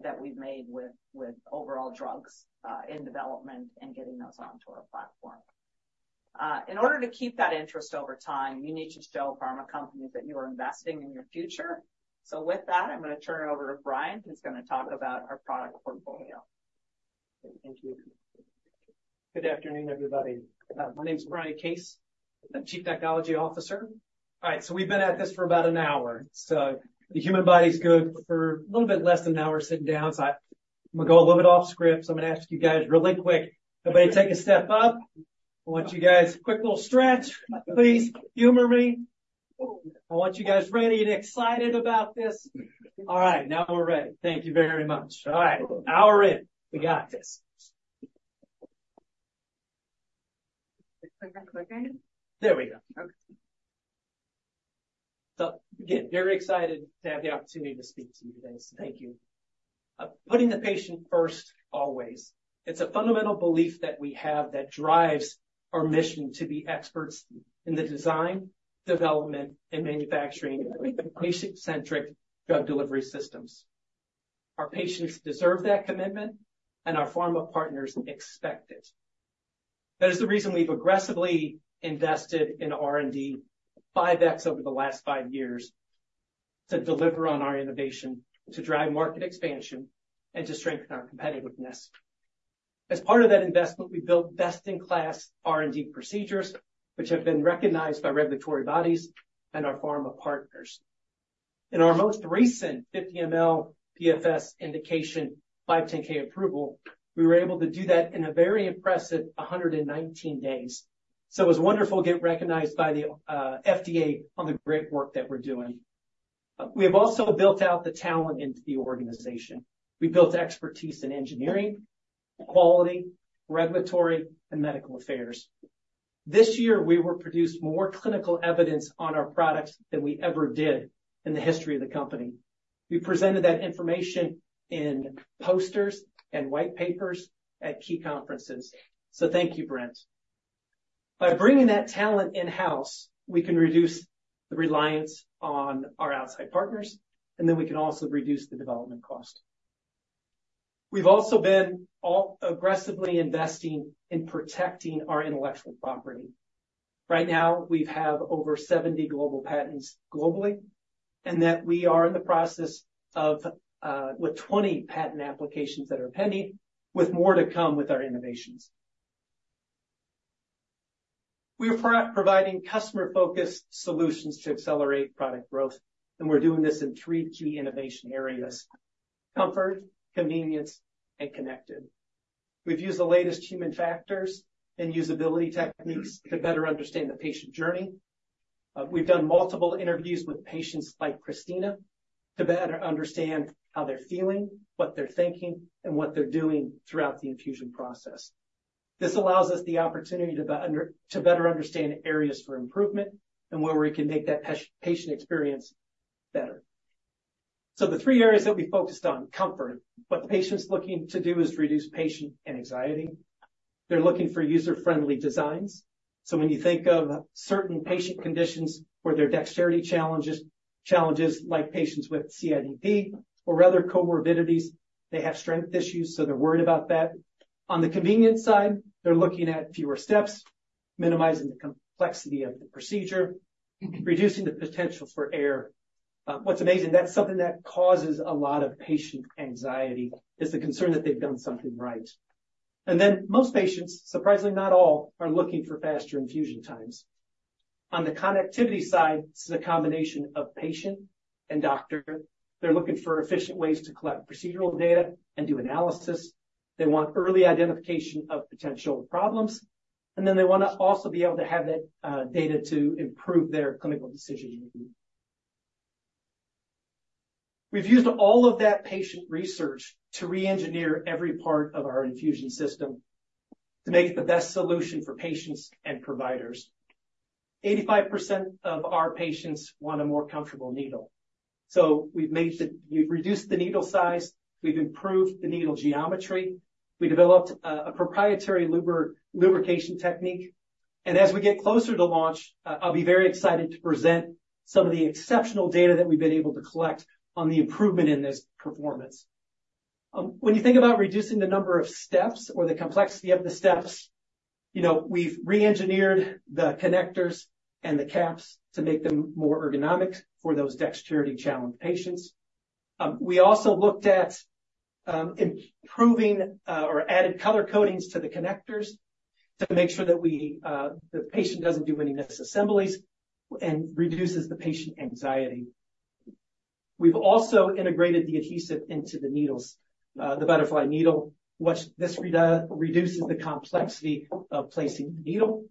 that we've made with, with overall drugs, in development and getting those onto our platform. In order to keep that interest over time, you need to show pharma companies that you are investing in your future. So with that, I'm gonna turn it over to Brian, who's gonna talk about our product portfolio. Thank you. Good afternoon, everybody. My name is Brian Case. I'm Chief Technology Officer. All right, so we've been at this for about an hour. So the human body's good for a little bit less than an hour sitting down, so I'm gonna go a little bit off script. So I'm gonna ask you guys really quick, everybody, take a step up. I want you guys, quick little stretch, please humor me. I want you guys ready and excited about this. All right, now we're ready. Thank you very much. All right, hour in. We got this! Click again? There we go. Okay. So again, very excited to have the opportunity to speak to you guys. Thank you. Putting the patient first, always. It's a fundamental belief that we have that drives our mission to be experts in the design, development, and manufacturing of patient-centric drug delivery systems. Our patients deserve that commitment, and our pharma partners expect it. That is the reason we've aggressively invested in R&D, 5x over the last 5 years, to deliver on our innovation, to drive market expansion, and to strengthen our competitiveness. As part of that investment, we built best-in-class R&D procedures, which have been recognized by regulatory bodies and our pharma partners. In our most recent 50 mL PFS indication, 510(k) approval, we were able to do that in a very impressive 119 days. So it was wonderful to get recognized by the FDA on the great work that we're doing. We have also built out the talent into the organization. We built expertise in engineering, quality, regulatory, and medical affairs. This year, we will produce more clinical evidence on our products than we ever did in the history of the company. We presented that information in posters and white papers at key conferences. So thank you, Brian. By bringing that talent in-house, we can reduce the reliance on our outside partners, and then we can also reduce the development cost. We've also been aggressively investing in protecting our intellectual property. Right now, we have over 70 global patents globally, and that we are in the process of with 20 patent applications that are pending, with more to come with our innovations. We are providing customer-focused solutions to accelerate product growth, and we're doing this in three key innovation areas: comfort, convenience, and connected. We've used the latest human factors and usability techniques to better understand the patient journey. We've done multiple interviews with patients like Christina to better understand how they're feeling, what they're thinking, and what they're doing throughout the infusion process. This allows us the opportunity to better understand areas for improvement and where we can make that patient experience better. So the three areas that we focused on, comfort. What the patient's looking to do is reduce patient anxiety. They're looking for user-friendly designs. So when you think of certain patient conditions where there are dexterity challenges, challenges like patients with CIDP or other comorbidities, they have strength issues, so they're worried about that. On the convenience side, they're looking at fewer steps, minimizing the complexity of the procedure, reducing the potential for error. What's amazing, that's something that causes a lot of patient anxiety, is the concern that they've done something right. And then most patients, surprisingly, not all, are looking for faster infusion times. On the connectivity side, this is a combination of patient and doctor. They're looking for efficient ways to collect procedural data and do analysis. They want early identification of potential problems, and then they want to also be able to have that data to improve their clinical decision-making. We've used all of that patient research to re-engineer every part of our infusion system to make it the best solution for patients and providers. 85% of our patients want a more comfortable needle. So we've reduced the needle size, we've improved the needle geometry, we developed a proprietary lubrication technique. And as we get closer to launch, I'll be very excited to present some of the exceptional data that we've been able to collect on the improvement in this performance. When you think about reducing the number of steps or the complexity of the steps, you know, we've reengineered the connectors and the caps to make them more ergonomic for those dexterity-challenged patients. We also looked at improving or added color codings to the connectors to make sure that the patient doesn't do any misassemblies and reduces the patient anxiety. We've also integrated the adhesive into the needles, the butterfly needle. What this does reduces the complexity of placing the needle.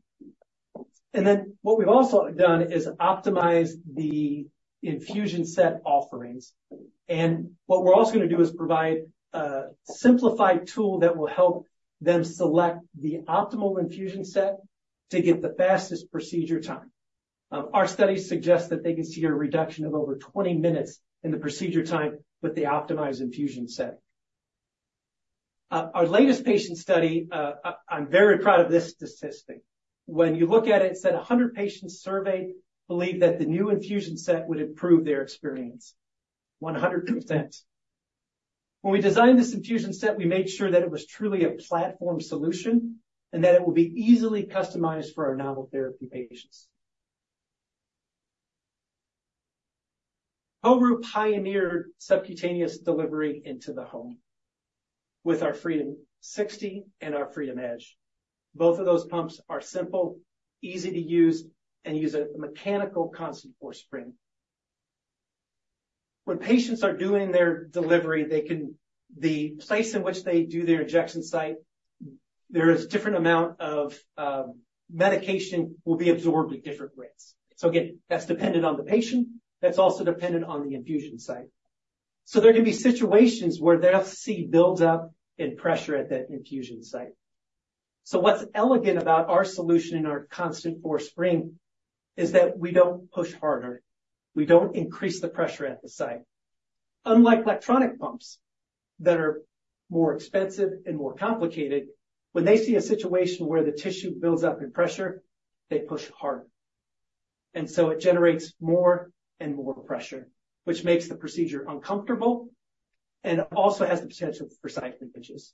Then what we've also done is optimize the infusion set offerings. What we're also gonna do is provide a simplified tool that will help them select the optimal infusion set to get the fastest procedure time. Our studies suggest that they can see a reduction of over 20 minutes in the procedure time with the optimized infusion set. Our latest patient study, I'm very proud of this statistic. When you look at it, it said 100 patients surveyed believed that the new infusion set would improve their experience, 100%. When we designed this infusion set, we made sure that it was truly a platform solution, and that it would be easily customized for our novel therapy patients. KORU pioneered subcutaneous delivery into the home with our Freedom60 and our FreedomEdge. Both of those pumps are simple, easy to use, and use a mechanical constant force spring. When patients are doing their delivery, they can, the place in which they do their injection site, there is different amount of medication will be absorbed at different rates. So again, that's dependent on the patient. That's also dependent on the infusion site. So there can be situations where the SC builds up in pressure at that infusion site. So what's elegant about our solution and our constant force spring is that we don't push harder. We don't increase the pressure at the site. Unlike electronic pumps that are more expensive and more complicated, when they see a situation where the tissue builds up in pressure, they push harder, and so it generates more and more pressure, which makes the procedure uncomfortable and also has the potential for site injuries.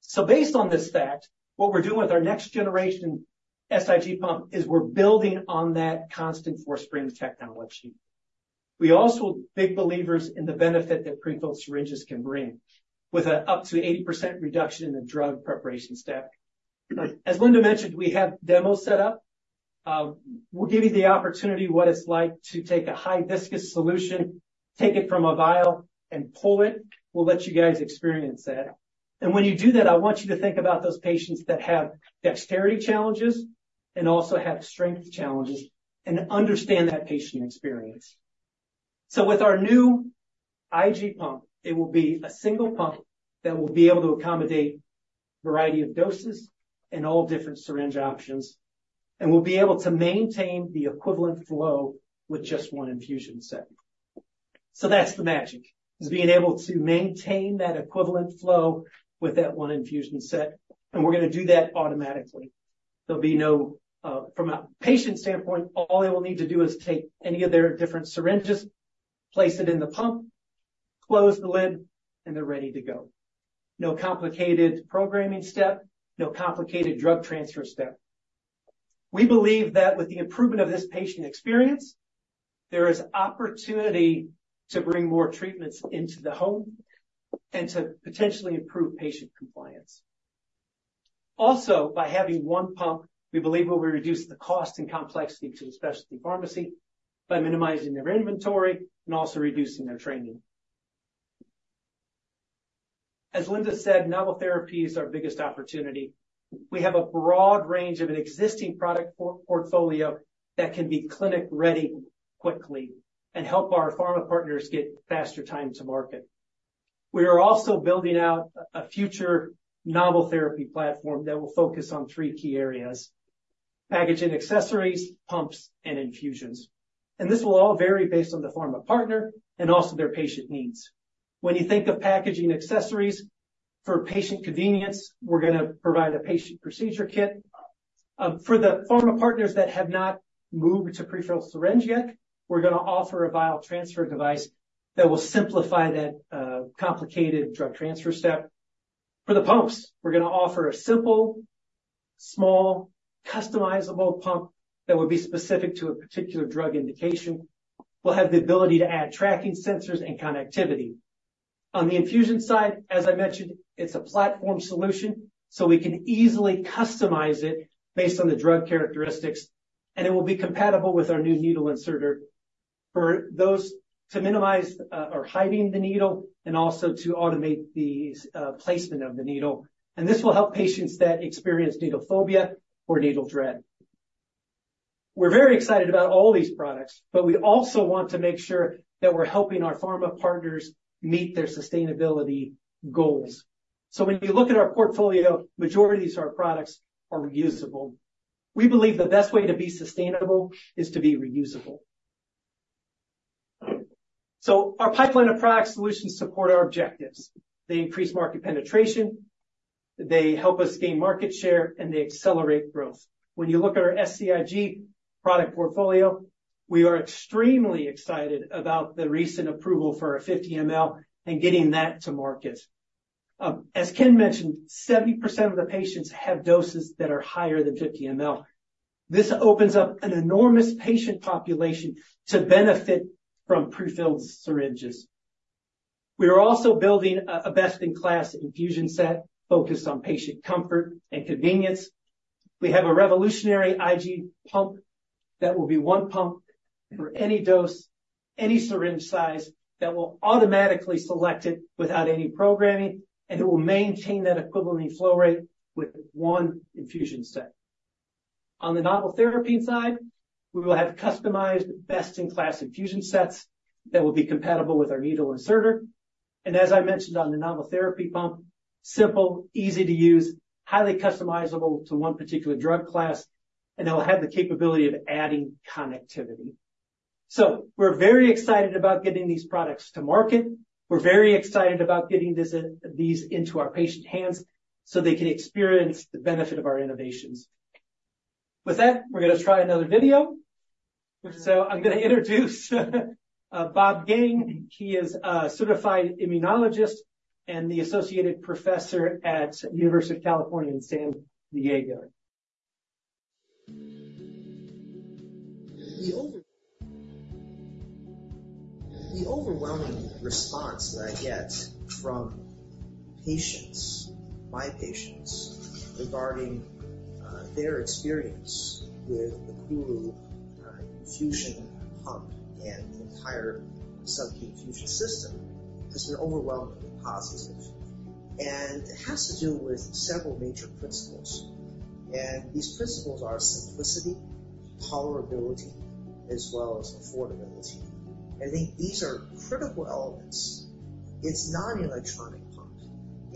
So based on this fact, what we're doing with our next generation SCIG pump is we're building on that constant force spring technology. We're also big believers in the benefit that pre-filled syringes can bring, with up to 80% reduction in the drug preparation step. As Linda mentioned, we have demos set up. We'll give you the opportunity what it's like to take a high viscous solution, take it from a vial, and pull it. We'll let you guys experience that. And when you do that, I want you to think about those patients that have dexterity challenges and also have strength challenges, and understand that patient experience. So with our new IG pump, it will be a single pump that will be able to accommodate a variety of doses and all different syringe options, and will be able to maintain the equivalent flow with just one infusion set. So that's the magic, is being able to maintain that equivalent flow with that one infusion set, and we're gonna do that automatically. There'll be no. From a patient standpoint, all they will need to do is take any of their different syringes, place it in the pump, close the lid, and they're ready to go. No complicated programming step, no complicated drug transfer step. We believe that with the improvement of this patient experience, there is opportunity to bring more treatments into the home and to potentially improve patient compliance. Also, by having one pump, we believe we will reduce the cost and complexity to the specialty pharmacy by minimizing their inventory and also reducing their training. As Linda said, novel therapy is our biggest opportunity. We have a broad range of an existing product portfolio that can be clinic-ready quickly and help our pharma partners get faster time to market. We are also building out a future novel therapy platform that will focus on three key areas: packaging accessories, pumps, and infusions. And this will all vary based on the pharma partner and also their patient needs. When you think of packaging accessories for patient convenience, we're gonna provide a patient procedure kit. For the pharma partners that have not moved to pre-filled syringe yet, we're gonna offer a vial transfer device that will simplify that complicated drug transfer step. For the pumps, we're gonna offer a simple, small, customizable pump that would be specific to a particular drug indication. We'll have the ability to add tracking sensors and connectivity. On the infusion side, as I mentioned, it's a platform solution, so we can easily customize it based on the drug characteristics, and it will be compatible with our new needle inserter. For those to minimize, or hiding the needle and also to automate the, placement of the needle, and this will help patients that experience needle phobia or needle dread. We're very excited about all these products, but we also want to make sure that we're helping our pharma partners meet their sustainability goals. So when you look at our portfolio, majority of these, our products are reusable. We believe the best way to be sustainable is to be reusable.... So our pipeline of product solutions support our objectives. They increase market penetration, they help us gain market share, and they accelerate growth. When you look at our SCIG product portfolio, we are extremely excited about the recent approval for our 50 mL and getting that to market. As Ken mentioned, 70% of the patients have doses that are higher than 50 mL. This opens up an enormous patient population to benefit from prefilled syringes. We are also building a best-in-class infusion set focused on patient comfort and convenience. We have a revolutionary IG pump that will be one pump for any dose, any syringe size, that will automatically select it without any programming, and it will maintain that equivalent flow rate with one infusion set. On the novel therapy side, we will have customized best-in-class infusion sets that will be compatible with our needle inserter. As I mentioned on the novel therapy pump, simple, easy to use, highly customizable to one particular drug class, and it'll have the capability of adding connectivity. We're very excited about getting these products to market. We're very excited about getting this, these into our patient hands so they can experience the benefit of our innovations. With that, we're going to try another video. I'm going to introduce Bob Geng. He is a certified immunologist and the associate professor at University of California San Diego. The overwhelming response that I get from patients, my patients, regarding their experience with the KORU infusion pump and the entire sub-infusion system, has been overwhelmingly positive. And it has to do with several major principles, and these principles are simplicity, tolerability, as well as affordability. I think these are critical elements. It's not an electronic pump,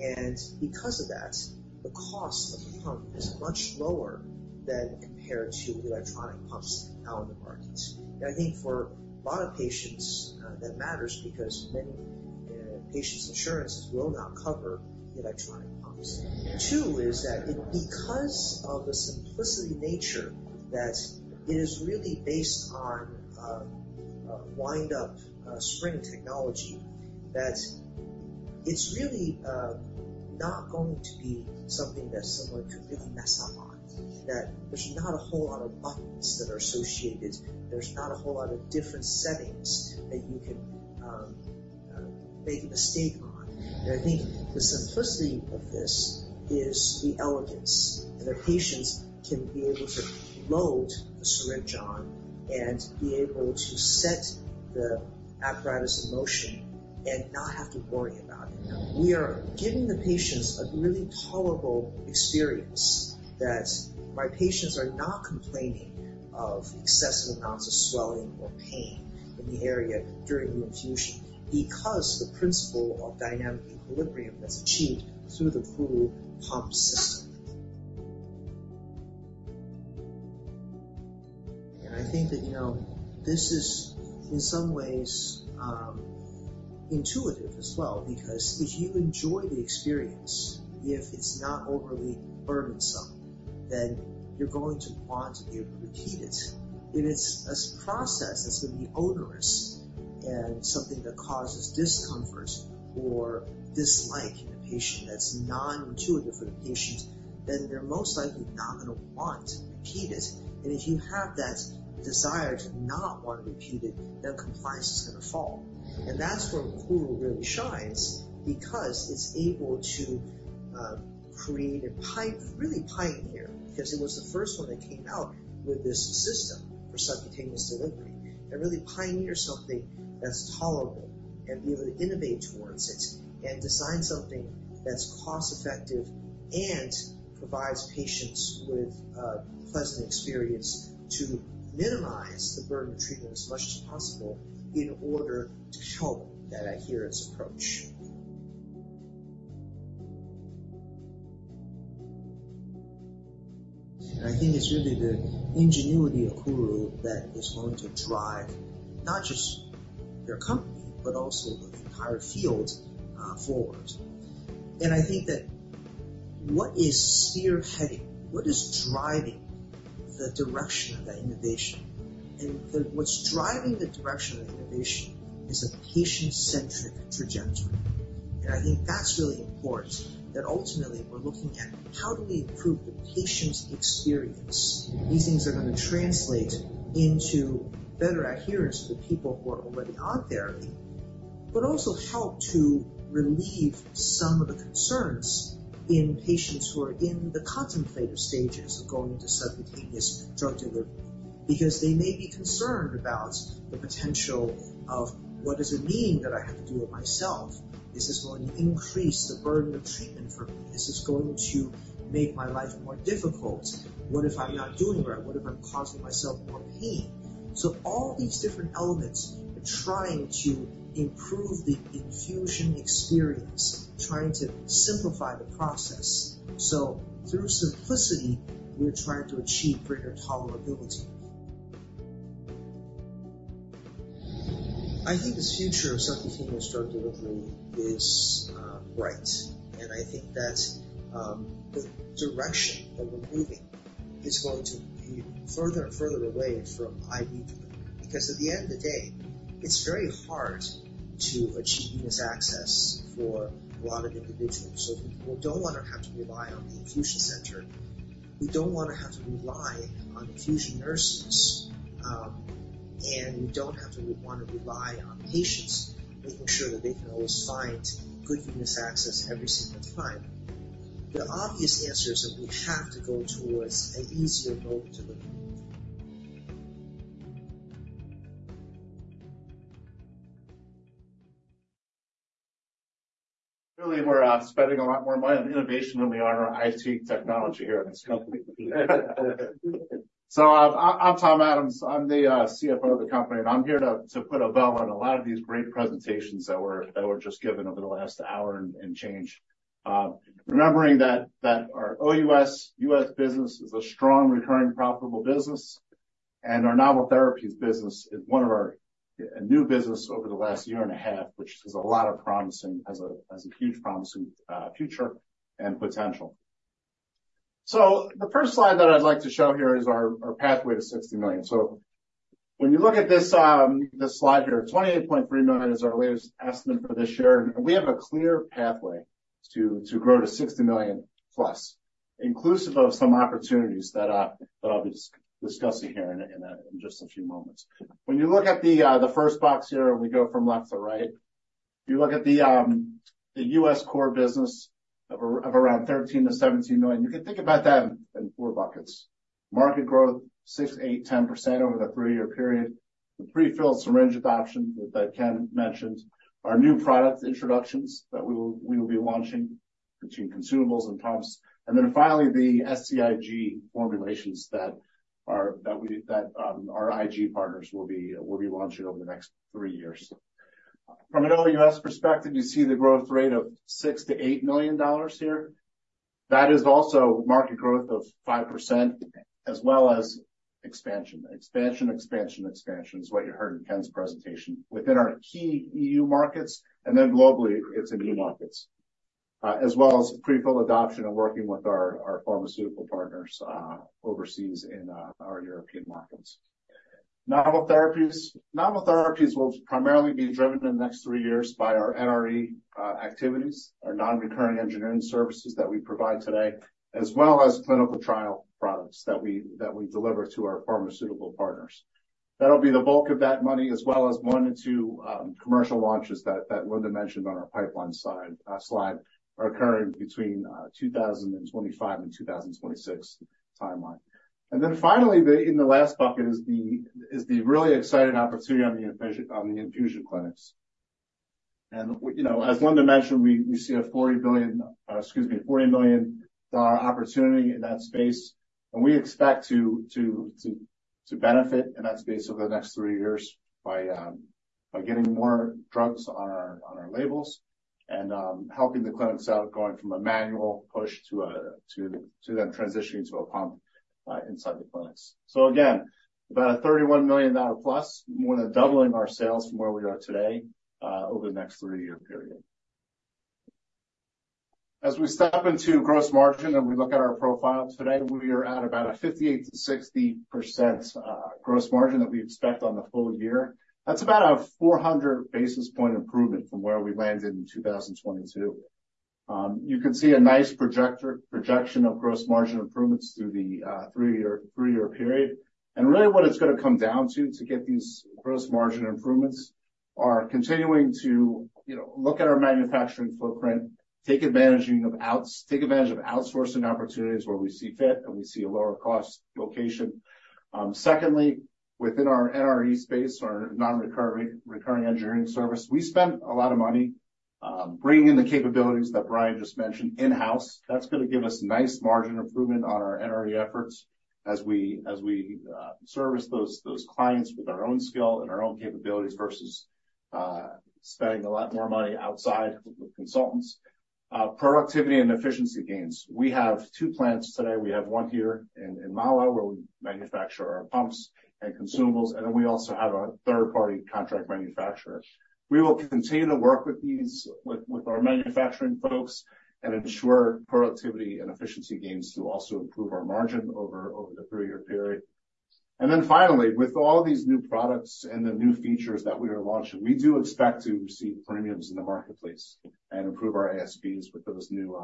and because of that, the cost of the pump is much lower than compared to electronic pumps out in the markets. And I think for a lot of patients, that matters because many patients' insurances will not cover electronic pumps. Two, is that because of the simplicity nature, that it is really based on wind up spring technology, that it's really not going to be something that someone could really mess up on, that there's not a whole lot of buttons that are associated. There's not a whole lot of different settings that you can make a mistake on. And I think the simplicity of this is the elegance, that our patients can be able to load the syringe on and be able to set the apparatus in motion and not have to worry about it. We are giving the patients a really tolerable experience, that my patients are not complaining of excessive amounts of swelling or pain in the area during the infusion, because the principle of dynamic equilibrium that's achieved through the KORU pump system. I think that, you know, this is in some ways, intuitive as well, because if you enjoy the experience, if it's not overly burdensome, then you're going to want to repeat it. If it's a process that's going to be onerous and something that causes discomfort or dislike in a patient, that's non-intuitive for the patient, then they're most likely not going to want to repeat it. And if you have that desire to not want to repeat it, then compliance is going to fall. That's where KORU really shines, because it's able to create a pipe, really pioneer, because it was the first one that came out with this system for subcutaneous delivery, and really pioneer something that's tolerable and be able to innovate towards it, and design something that's cost-effective and provides patients with a pleasant experience to minimize the burden of treatment as much as possible in order to help that adherence approach. And I think it's really the ingenuity of KORU that is going to drive not just their company, but also the entire field forward. And I think that what is spearheading, what is driving the direction of that innovation? What's driving the direction of the innovation is a patient-centric trajectory. And I think that's really important, that ultimately we're looking at how do we improve the patient's experience. These things are going to translate into better adherence to the people who are already on therapy, but also help to relieve some of the concerns in patients who are in the contemplative stages of going into subcutaneous drug delivery. Because they may be concerned about the potential of what does it mean that I have to do it myself? Is this going to increase the burden of treatment for me? Is this going to make my life more difficult? What if I'm not doing it right? What if I'm causing myself more pain? So all these different elements are trying to improve the infusion experience, trying to simplify the process. So through simplicity, we're trying to achieve greater tolerability.... I think the future of subcutaneous drug delivery is bright. I think that, the direction that we're moving is going to be further and further away from IV delivery. Because at the end of the day, it's very hard to achieve venous access for a lot of individuals. So we don't wanna have to rely on the infusion center, we don't wanna have to rely on infusion nurses, and we don't have to wanna rely on patients making sure that they can always find good venous access every single time. The obvious answer is that we have to go towards an easier mode of delivery. Really, we're spending a lot more money on innovation than we are on our IT technology here at this company. So I'm Tom Adams. I'm the CFO of the company, and I'm here to put a bow on a lot of these great presentations that were just given over the last hour and change. Remembering that our OUS US business is a strong, recurring, profitable business, and our novel therapies business is one of our new business over the last year and a half, which has a lot of promising... has a huge promising future and potential. So the first slide that I'd like to show here is our pathway to $60 million. So when you look at this, this slide here, $28.3 million is our latest estimate for this year, and we have a clear pathway to, to grow to $60 million+, inclusive of some opportunities that, that I'll be discussing here in a, in just a few moments. When you look at the, the first box here, and we go from left to right, you look at the, the US core business of around $13 million-$17 million. You can think about that in four buckets. Market growth, 6%, 8%, 10% over the three-year period. The prefilled syringe adoption that, that Ken mentioned. Our new product introductions that we will, we will be launching between consumables and pumps. And then finally, the SCIG formulations that our IG partners will be launching over the next three years. From an OUS perspective, you see the growth rate of $6 million-$8 million here. That is also market growth of 5%, as well as expansion. Expansion, expansion, expansion is what you heard in Ken's presentation. Within our key EU markets, and then globally, it's in new markets. As well as pre-fill adoption and working with our pharmaceutical partners overseas in our European markets. Novel therapies. Novel therapies will primarily be driven in the next three years by our NRE activities, our non-recurring engineering services that we provide today, as well as clinical trial products that we deliver to our pharmaceutical partners. That'll be the bulk of that money, as well as one or two commercial launches that Linda mentioned on our pipeline side slide, occurring between 2025 and 2026 timeline. And then finally, the in the last bucket is the really exciting opportunity on the infusion clinics. And, you know, as Linda mentioned, we see a $40 billion, excuse me, $40 million dollar opportunity in that space, and we expect to benefit in that space over the next three years by getting more drugs on our labels and helping the clinics out, going from a manual push to them transitioning to a pump inside the clinics. So again, about a $31 million plus, more than doubling our sales from where we are today, over the next three-year period. As we step into gross margin and we look at our profile, today, we are at about a 58%-60% gross margin that we expect on the full year. That's about a 400 basis point improvement from where we landed in 2022. You can see a nice projection of gross margin improvements through the three-year period. And really, what it's gonna come down to, to get these gross margin improvements are continuing to, you know, look at our manufacturing footprint, take advantage of outsourcing opportunities where we see fit and we see a lower cost location. Secondly, within our NRE space, our non-recurring, recurring engineering service, we spent a lot of money bringing in the capabilities that Brian just mentioned in-house. That's gonna give us nice margin improvement on our NRE efforts as we service those clients with our own skill and our own capabilities, versus spending a lot more money outside with consultants. Productivity and efficiency gains. We have two plants today. We have one here in Mahwah, where we manufacture our pumps and consumables, and then we also have a third-party contract manufacturer. We will continue to work with these with our manufacturing folks and ensure productivity and efficiency gains to also improve our margin over the three-year period. And then finally, with all these new products and the new features that we are launching, we do expect to see premiums in the marketplace and improve our ASPs with those new,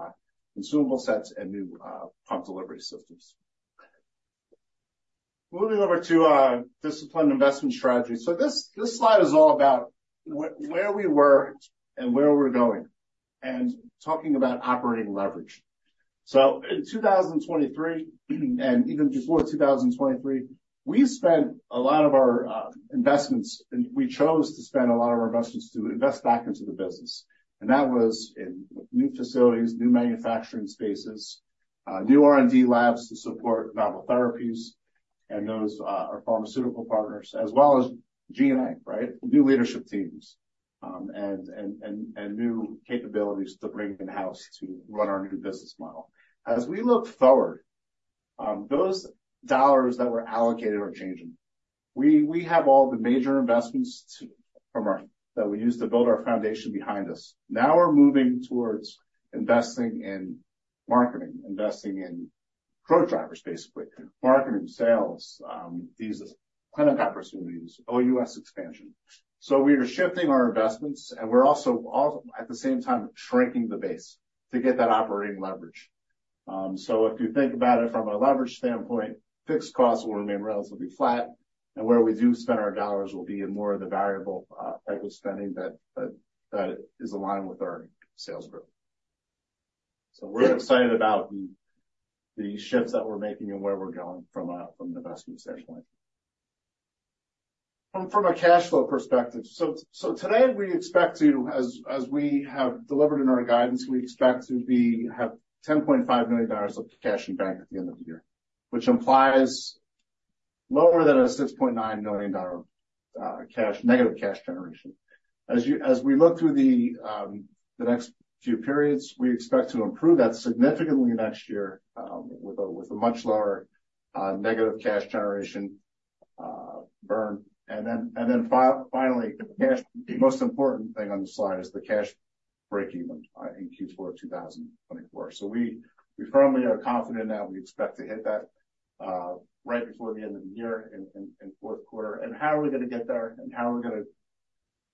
consumable sets and new, pump delivery systems. Moving over to our disciplined investment strategy. So this, this slide is all about where we were and where we're going, and talking about operating leverage. So in 2023, and even before 2023, we spent a lot of our, investments, and we chose to spend a lot of our investments to invest back into the business. And that was in new facilities, new manufacturing spaces, new R&D labs to support novel therapies and those, our pharmaceutical partners, as well as G&A, right? New leadership teams and new capabilities to bring in-house to run our new business model. As we look forward, those dollars that were allocated are changing. We have all the major investments that we used to build our foundation behind us. Now we're moving towards investing in marketing, investing in growth drivers, basically, marketing, sales, these clinic opportunities, OUS expansion. So we are shifting our investments, and we're also, at the same time, shrinking the base to get that operating leverage. So if you think about it from a leverage standpoint, fixed costs will remain relatively flat, and where we do spend our dollars will be in more of the variable type of spending that is aligned with our sales growth. So we're excited about the shifts that we're making and where we're going from an investment standpoint. From a cash flow perspective, so today we expect to, as we have delivered in our guidance, we expect to be—have $10.5 million of cash in bank at the end of the year, which implies lower than a $6.9 million dollar negative cash generation. As we look through the next few periods, we expect to improve that significantly next year, with a much lower negative cash generation burn. And then finally, the cash... The most important thing on the slide is the cash breakeven in Q4 2024. So we, we firmly are confident that we expect to hit that, right before the end of the year in, in, in fourth quarter. And how are we gonna get there? And how are we gonna,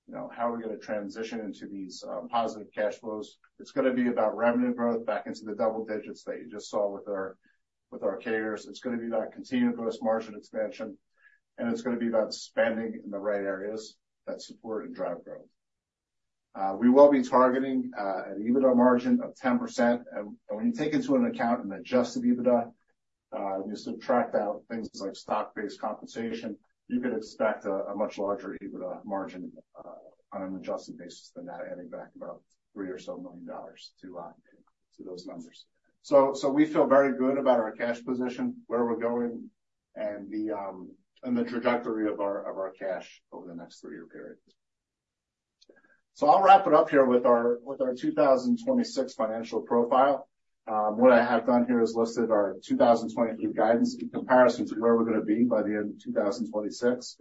you know, how are we gonna transition into these, positive cash flows? It's gonna be about revenue growth back into the double digits that you just saw with our, with our CAGRs. It's gonna be about continued gross margin expansion, and it's gonna be about spending in the right areas that support and drive growth. We will be targeting, an EBITDA margin of 10%. When you take into account an adjusted EBITDA, you subtract out things like stock-based compensation, you can expect a much larger EBITDA margin on an adjusted basis than that, adding back about $3 million to those numbers. So we feel very good about our cash position, where we're going, and the trajectory of our cash over the next three-year period. So I'll wrap it up here with our 2026 financial profile. What I have done here is listed our 2023 guidance in comparison to where we're gonna be by the end of 2026.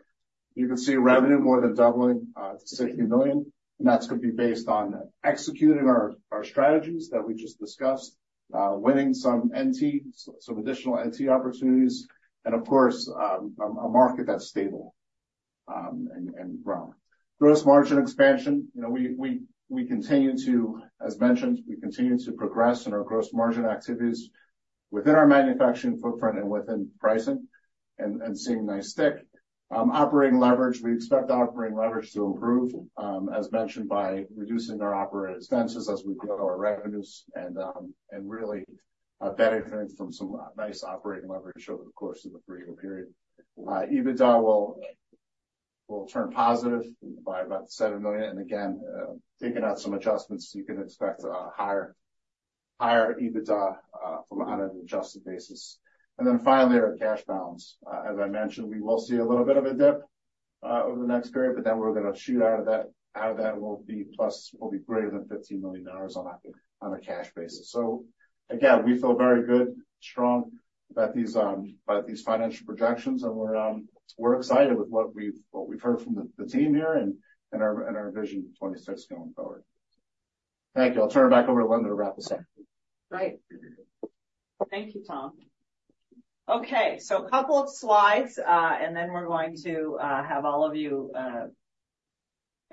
You can see revenue more than doubling to $60 million, and that's gonna be based on executing our strategies that we just discussed, winning some NT, some additional NT opportunities, and of course, a market that's stable and growing. Gross margin expansion, you know, we continue to, as mentioned, continue to progress in our gross margin activities within our manufacturing footprint and within pricing and seeing nice stick. Operating leverage, we expect operating leverage to improve, as mentioned, by reducing our operating expenses as we grow our revenues and really benefiting from some nice operating leverage over the course of the three-year period. EBITDA will turn positive by about $7 million, and again, taking out some adjustments, you can expect a higher EBITDA from on an adjusted basis. And then finally, our cash balance. As I mentioned, we will see a little bit of a dip over the next period, but then we're gonna shoot out of that. Out of that, we'll be plus-- we'll be greater than $15 million on a cash basis. So again, we feel very good, strong about these financial projections, and we're excited with what we've heard from the team here and our Vision 26 going forward. Thank you. I'll turn it back over to Linda to wrap this up. Great. Thank you, Tom. Okay, so a couple of slides, and then we're going to have all of you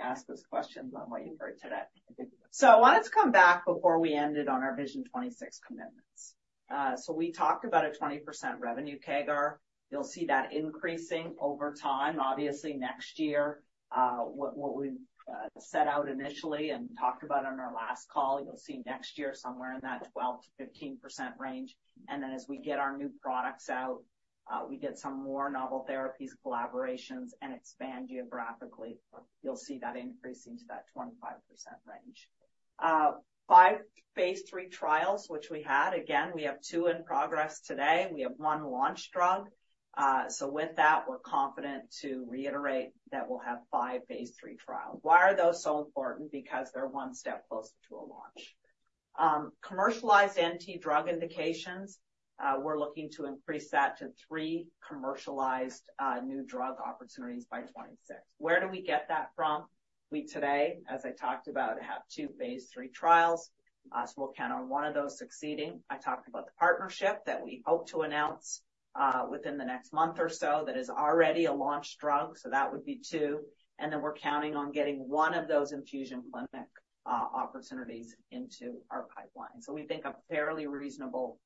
ask us questions on what you heard today. So I wanted to come back before we ended on our Vision 2026 commitments. So we talked about a 20% revenue CAGR. You'll see that increasing over time. Obviously, next year, what we set out initially and talked about on our last call, you'll see next year somewhere in that 12%-15% range. And then as we get our new products out, we get some more novel therapies, collaborations, and expand geographically. You'll see that increasing to that 25% range. Five phase III trials, which we had. Again, we have two in progress today. We have one launched drug. So with that, we're confident to reiterate that we'll have 5 phase III trials. Why are those so important? Because they're one step closer to a launch. Commercialized NT drug indications, we're looking to increase that to 3 commercialized new drug opportunities by 2026. Where do we get that from? We today, as I talked about, have 2 phase III trials. So we'll count on one of those succeeding. I talked about the partnership that we hope to announce within the next month or so. That is already a launched drug, so that would be 2. And then we're counting on getting one of those infusion clinic opportunities into our pipeline. So we think a fairly reasonable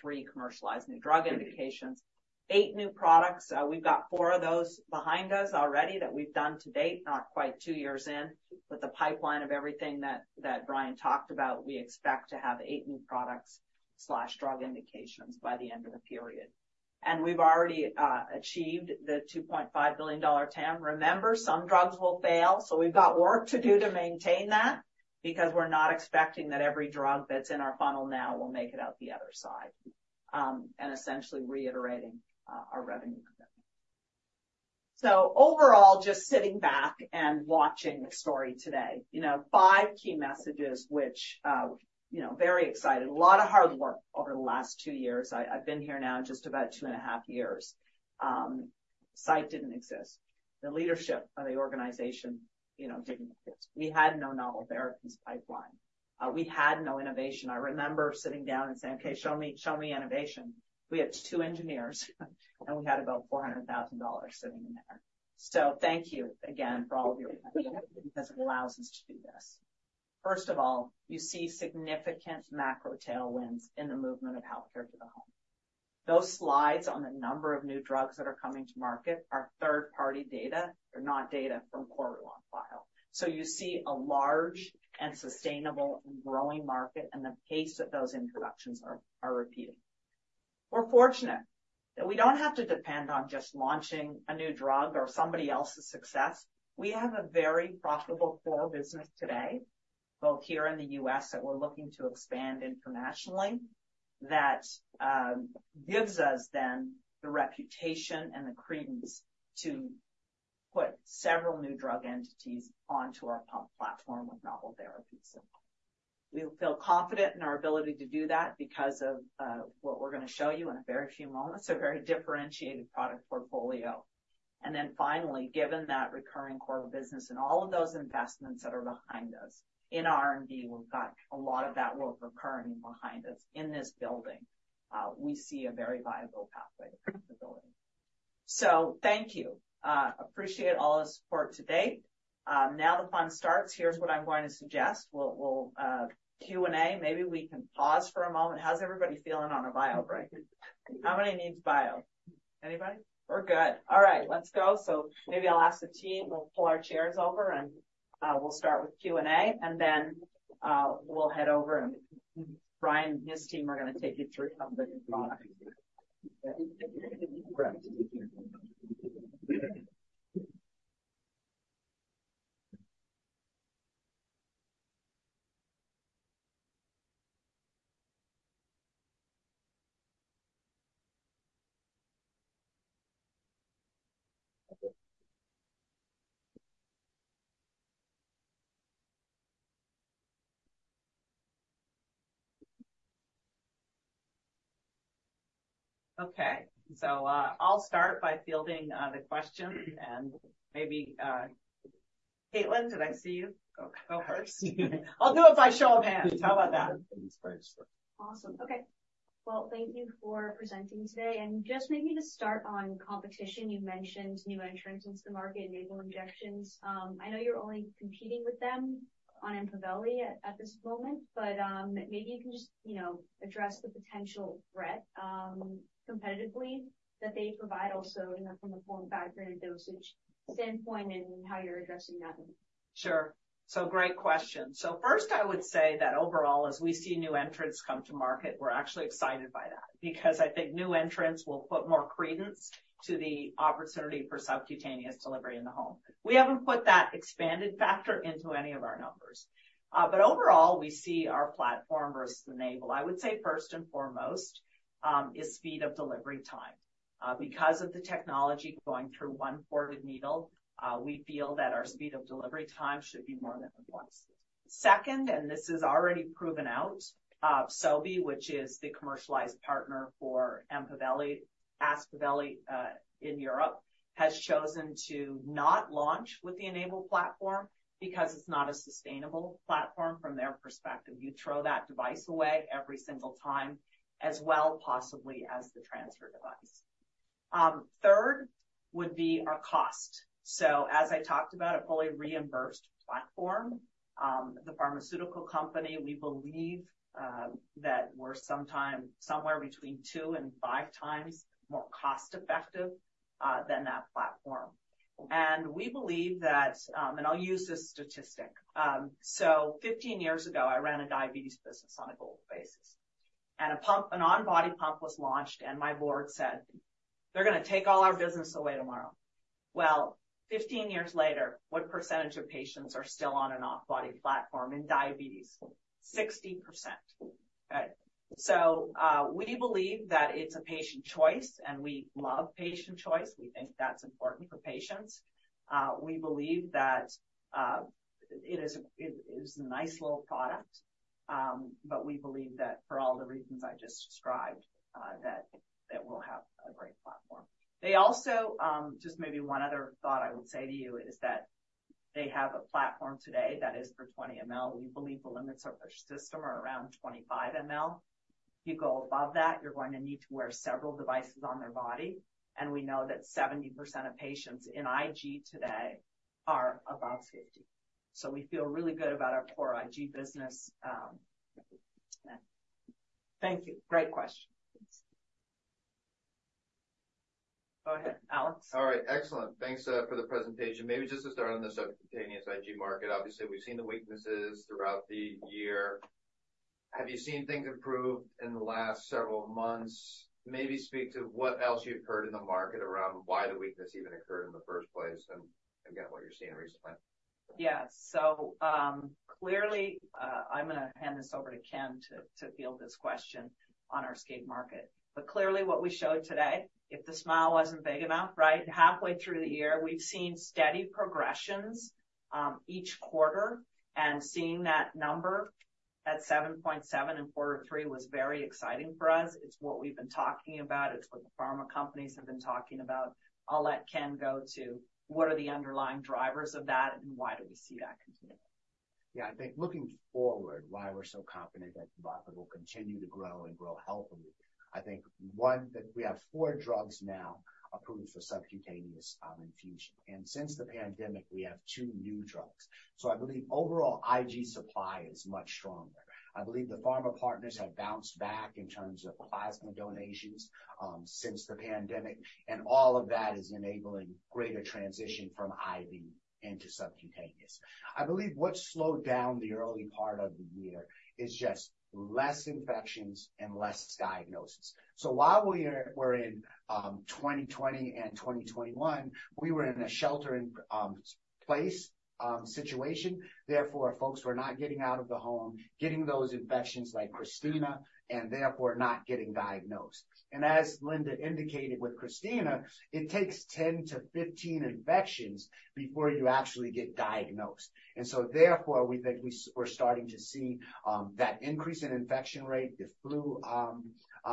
3 commercialized new drug indications. 8 new products. We've got four of those behind us already that we've done to date, not quite two years in. With the pipeline of everything that, that Brian talked about, we expect to have eight new products slash drug indications by the end of the period. And we've already achieved the $2.5 billion TAM. Remember, some drugs will fail, so we've got work to do to maintain that because we're not expecting that every drug that's in our funnel now will make it out the other side, and essentially reiterating our revenue commitment. So overall, just sitting back and watching the story today, you know, five key messages which, you know, very excited. A lot of hard work over the last two years. I, I've been here now just about two and a half years. Site didn't exist. The leadership of the organization, you know, didn't exist. We had no novel therapies pipeline. We had no innovation. I remember sitting down and saying: "Okay, show me, show me innovation." We had two engineers, and we had about $400,000 sitting in there. So thank you again for all of your—because it allows us to do this. First of all, you see significant macro tailwinds in the movement of healthcare to the home. Those slides on the number of new drugs that are coming to market are third-party data. They're not data from KORU's file. So you see a large and sustainable and growing market, and the pace of those introductions are, are repeating. We're fortunate that we don't have to depend on just launching a new drug or somebody else's success. We have a very profitable core business today, both here in the U.S., that we're looking to expand internationally. That gives us then the reputation and the credence to put several new drug entities onto our pump platform with novel therapies. We feel confident in our ability to do that because of what we're going to show you in a very few moments, a very differentiated product portfolio. And then finally, given that recurring core business and all of those investments that are behind us in R&D, we've got a lot of that work recurring behind us in this building. We see a very viable pathway to profitability. So thank you. Appreciate all the support to date. Now the fun starts. Here's what I'm going to suggest. We'll Q&A, maybe we can pause for a moment. How's everybody feeling on a bio break? How many needs bio? Anybody? We're good. All right, let's go. So maybe I'll ask the team. We'll pull our chairs over, and we'll start with Q&A, and then we'll head over, and Brian and his team are going to take you through some of the new products. Okay, so I'll start by fielding the question, and maybe Caitlin, did I see you? Go, go first. I'll do it by show of hands. How about that? Awesome. Okay. Well, thank you for presenting today, and just maybe to start on competition, you mentioned new entrants into the market, Enable Injections. I know you're only competing with them on Empaveli at this moment, but maybe you can just, you know, address the potential threat competitively that they provide also, you know, from a form factor and dosage standpoint, and how you're addressing that. Sure. So great question. So first, I would say that overall, as we see new entrants come to market, we're actually excited by that, because I think new entrants will put more credence to the opportunity for subcutaneous delivery in the home. We haven't put that expanded factor into any of our numbers. But overall, we see our platform versus the Enable. I would say first and foremost, is speed of delivery time. Because of the technology going through one ported needle, we feel that our speed of delivery time should be more than twice. Second, and this is already proven out, Sobi, which is the commercialization partner for Empaveli, Aspaveli, in Europe, has chosen to not launch with the Enable platform because it's not a sustainable platform from their perspective. You throw that device away every single time, as well, possibly as the transfer device. Third would be our cost. So as I talked about a fully reimbursed platform, the pharmaceutical company, we believe, that we're sometime, somewhere between 2-5 times more cost-effective, than that platform. And we believe that... And I'll use this statistic. Fifteen years ago, I ran a diabetes business on a gold basis, and a pump, an on-body pump was launched, and my board said, "They're gonna take all our business away tomorrow." Well, 15 years later, what percentage of patients are still on an off-body platform in diabetes? 60%. Okay, we believe that it's a patient choice, and we love patient choice. We think that's important for patients. We believe that it is a nice little product, but we believe that for all the reasons I just described, that we'll have a great platform. They also just maybe one other thought I would say to you is that they have a platform today that is for 20 ml. We believe the limits of their system are around 25 ml. If you go above that, you're going to need to wear several devices on their body, and we know that 70% of patients in IG today are above 50. So we feel really good about our core IG business. Thank you. Great question. Go ahead, Alex. All right. Excellent. Thanks for the presentation. Maybe just to start on the subcutaneous IG market, obviously, we've seen the weaknesses throughout the year. Have you seen things improve in the last several months? Maybe speak to what else you've heard in the market around why the weakness even occurred in the first place, and again, what you're seeing recently. Yeah. So, clearly, I'm gonna hand this over to Ken to, to field this question on our SCIG market. But clearly what we showed today, if the smile wasn't big enough, right? Halfway through the year, we've seen steady progressions each quarter, and seeing that number at 7.7 in quarter three was very exciting for us. It's what we've been talking about. It's what the pharma companies have been talking about. I'll let Ken go to what are the underlying drivers of that, and why do we see that continuing? Yeah, I think looking forward, why we're so confident that the market will continue to grow and grow healthily. I think, one, that we have four drugs now approved for subcutaneous infusion, and since the pandemic, we have two new drugs. So I believe overall IG supply is much stronger. I believe the pharma partners have bounced back in terms of plasma donations since the pandemic, and all of that is enabling greater transition from IV into subcutaneous. I believe what slowed down the early part of the year is just less infections and less diagnosis. So while we're in 2020 and 2021, we were in a shelter-in-place situation. Therefore, folks were not getting out of the home, getting those infections like Rhinovirus, and therefore not getting diagnosed. As Linda indicated with Rhinovirus, it takes 10-15 infections before you actually get diagnosed. So therefore, we think we're starting to see that increase in infection rate, the flu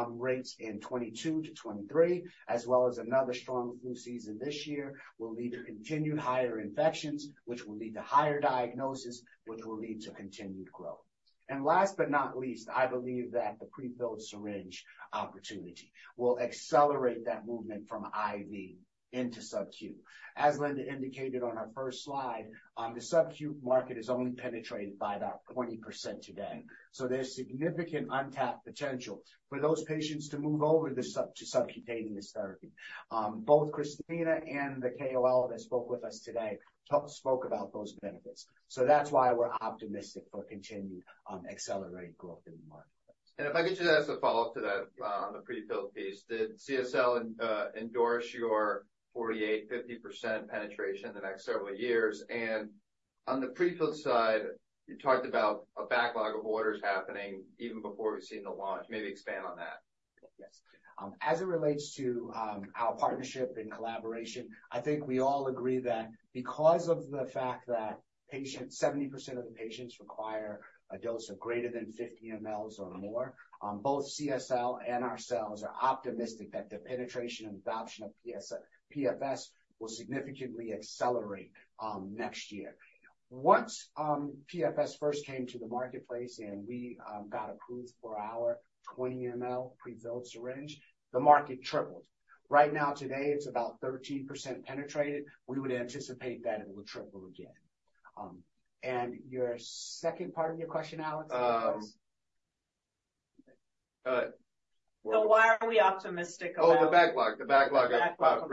rates in 2022-2023, as well as another strong flu season this year, will lead to continued higher infections, which will lead to higher diagnosis, which will lead to continued growth. And last but not least, I believe that the prefilled syringe opportunity will accelerate that movement from IV into subQ. As Linda indicated on our first slide, the subQ market is only penetrated by about 20% today. So there's significant untapped potential for those patients to move over to sub, to subcutaneous therapy. Both Rhinovirus and the KOL that spoke with us today spoke about those benefits. So that's why we're optimistic for continued, accelerated growth in the marketplace. And if I could just ask a follow-up to that, on the prefill piece. Did CSL endorse your 48%-50% penetration in the next several years? And on the prefill side, you talked about a backlog of orders happening even before we've seen the launch. Maybe expand on that. Yes. As it relates to our partnership and collaboration, I think we all agree that because of the fact that patients—70% of the patients require a dose of greater than 50 mL or more, both CSL and ourselves are optimistic that the penetration and adoption of PS-PFS will significantly accelerate next year. Once PFS first came to the marketplace, and we got approved for our 20 mL prefilled syringe, the market tripled. Right now, today, it's about 13% penetrated. We would anticipate that it will triple again. And your second part of your question, Alex? Um. Uh- So why are we optimistic about- Oh, the backlog. The backlog of prefill.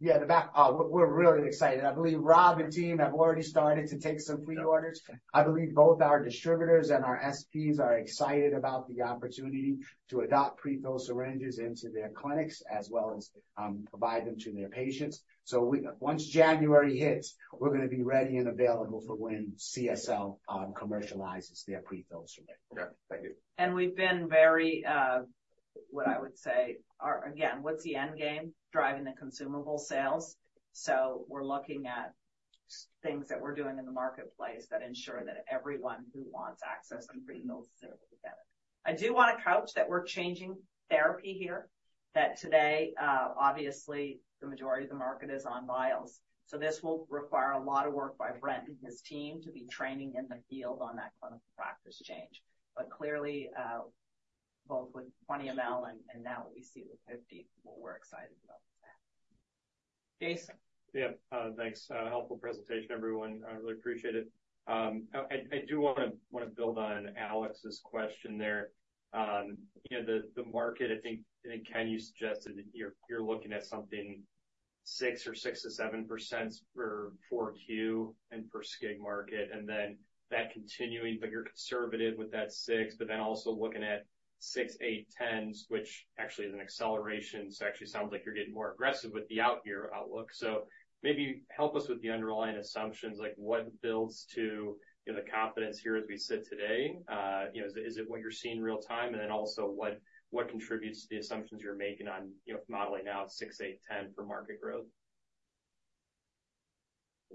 The backlog. Oh, we're really excited. I believe Rob and team have already started to take some pre orders. I believe both our distributors and our SPs are excited about the opportunity to adopt prefilled syringes into their clinics, as well as provide them to their patients. So, once January hits, we're gonna be ready and available for when CSL commercializes their prefilled syringe. Okay, thank you. And we've been very, what I would say, again, what's the end game? Driving the consumable sales. So we're looking at things that we're doing in the marketplace that ensure that everyone who wants access can prefill syringes together. I do want to couch that we're changing therapy here. That today, obviously, the majority of the market is on vials, so this will require a lot of work by Brian and his team to be training in the field on that clinical practice change. But clearly, both with 20 mL and, and now we see with 50, we're excited about that. Jason? Yeah, thanks. Helpful presentation, everyone. I really appreciate it. I do wanna, wanna build on Alex's question there. You know, the, the market, I think, and Ken, you suggested that you're, you're looking at something 6% or 6%-7% for Q4 and per SCIG market, and then that continuing, but you're conservative with that 6%, but then also looking at 6, 8, 10s, which actually is an acceleration. So actually sounds like you're getting more aggressive with the out year outlook. So maybe help us with the underlying assumptions, like what builds to, you know, the confidence here as we sit today? You know, is it what you're seeing real time? And then also, what, what contributes to the assumptions you're making on, you know, modeling now 6, 8, 10 for market growth?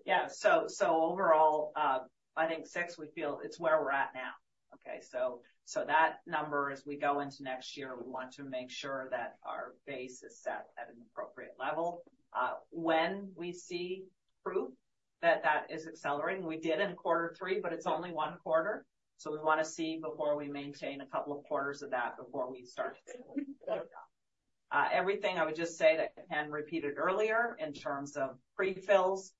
Yeah. So, so overall, I think 6, we feel it's where we're at now. Okay, so, so that number, as we go into next year, we want to make sure that our base is set at an appropriate level, when we see proof that that is accelerating. We did in quarter three, but it's only one quarter, so we wanna see before we maintain a couple of quarters of that before we start. Everything I would just say that Ken repeated earlier in terms of prefills,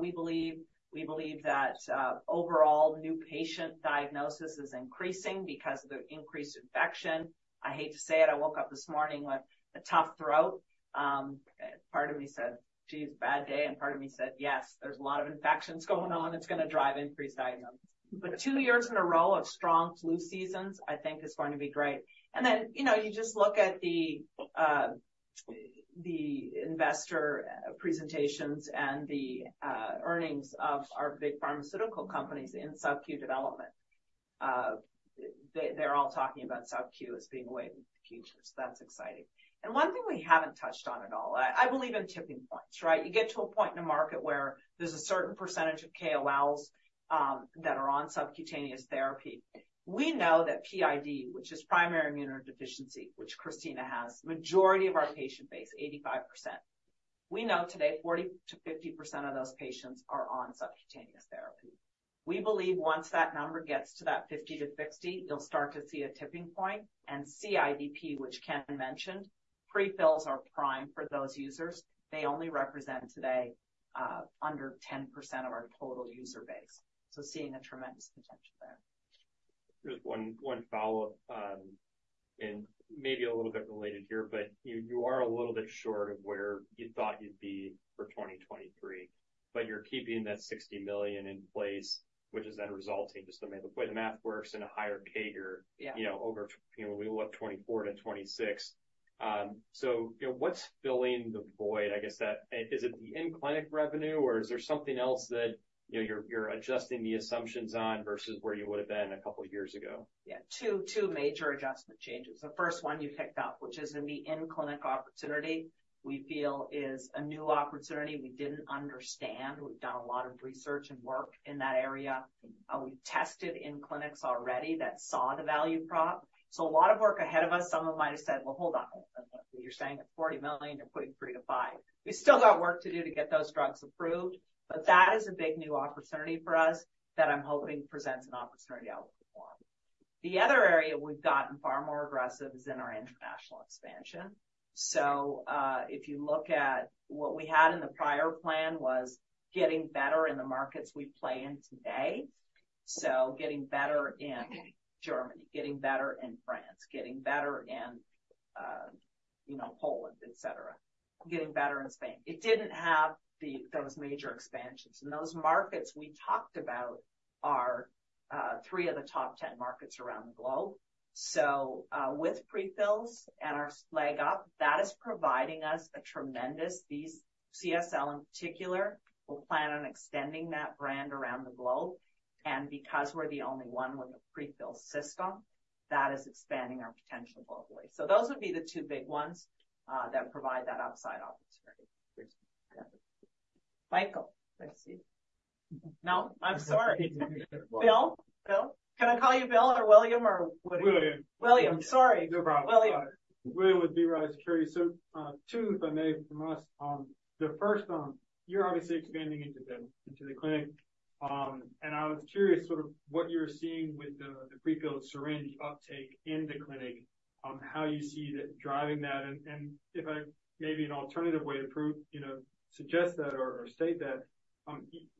we believe, we believe that, overall, new patient diagnosis is increasing because of the increased infection. I hate to say it, I woke up this morning with a tough throat. Part of me said, "Geez, bad day," and part of me said, "Yes, there's a lot of infections going on. It's gonna drive increased diagnosis." But 2 years in a row of strong flu seasons, I think is going to be great. And then, you know, you just look at the, the investor presentations and the, earnings of our big pharmaceutical companies in sub-Q development. They, they're all talking about sub-Q as being the way of the future, so that's exciting. And one thing we haven't touched on at all, I, I believe in tipping points, right? You get to a point in a market where there's a certain percentage of KOLs, that are on subcutaneous therapy. We know that PID, which is primary immunodeficiency, which Christina has, majority of our patient base, 85%. We know today, 40%-50% of those patients are on subcutaneous therapy. We believe once that number gets to that 50-60, you'll start to see a tipping point, and CIDP, which Ken mentioned, pre-fills are prime for those users. They only represent today under 10% of our total user base. So seeing a tremendous potential there. Just one follow-up, and maybe a little bit related here, but you are a little bit short of where you thought you'd be for 2023, but you're keeping that $60 million in place, which is then resulting, just the way the math works, in a higher CAGR- Yeah. You know, over, you know, we look 24-26. So, you know, what's filling the void? I guess that. Is it the in-clinic revenue, or is there something else that, you know, you're, you're adjusting the assumptions on versus where you would have been a couple years ago? Yeah, two major adjustment changes. The first one you picked up, which is in the in-clinic opportunity, we feel is a new opportunity we didn't understand. We've done a lot of research and work in that area. We tested in clinics already that saw the value prop. So a lot of work ahead of us. Some of them might have said, "Well, hold on. You're saying it's $40 million, you're putting $3 million-$5 million." We've still got work to do to get those drugs approved, but that is a big new opportunity for us that I'm hoping presents an opportunity out for more. The other area we've gotten far more aggressive is in our international expansion. So, if you look at what we had in the prior plan was getting better in the markets we play in today. So getting better in Germany, getting better in France, getting better in, you know, Poland, et cetera, getting better in Spain. It didn't have those major expansions, and those markets we talked about are three of the top ten markets around the globe. So with pre-fills and our leg up, that is providing us a tremendous... These CSL, in particular, will plan on extending that brand around the globe, and because we're the only one with a pre-fill system, that is expanding our potential globally. So those would be the two big ones that provide that upside opportunity. Michael, I see. No? I'm sorry. Bill? Bill. Can I call you Bill or William or what- William. William, sorry. No problem. William. William with B. Riley Securities. So, two, if I may, from us. The first, you're obviously expanding into the clinic, and I was curious sort of what you're seeing with the pre-filled syringe uptake in the clinic, how you see that driving that. And if I... Maybe an alternative way to prove, you know, suggest that or state that,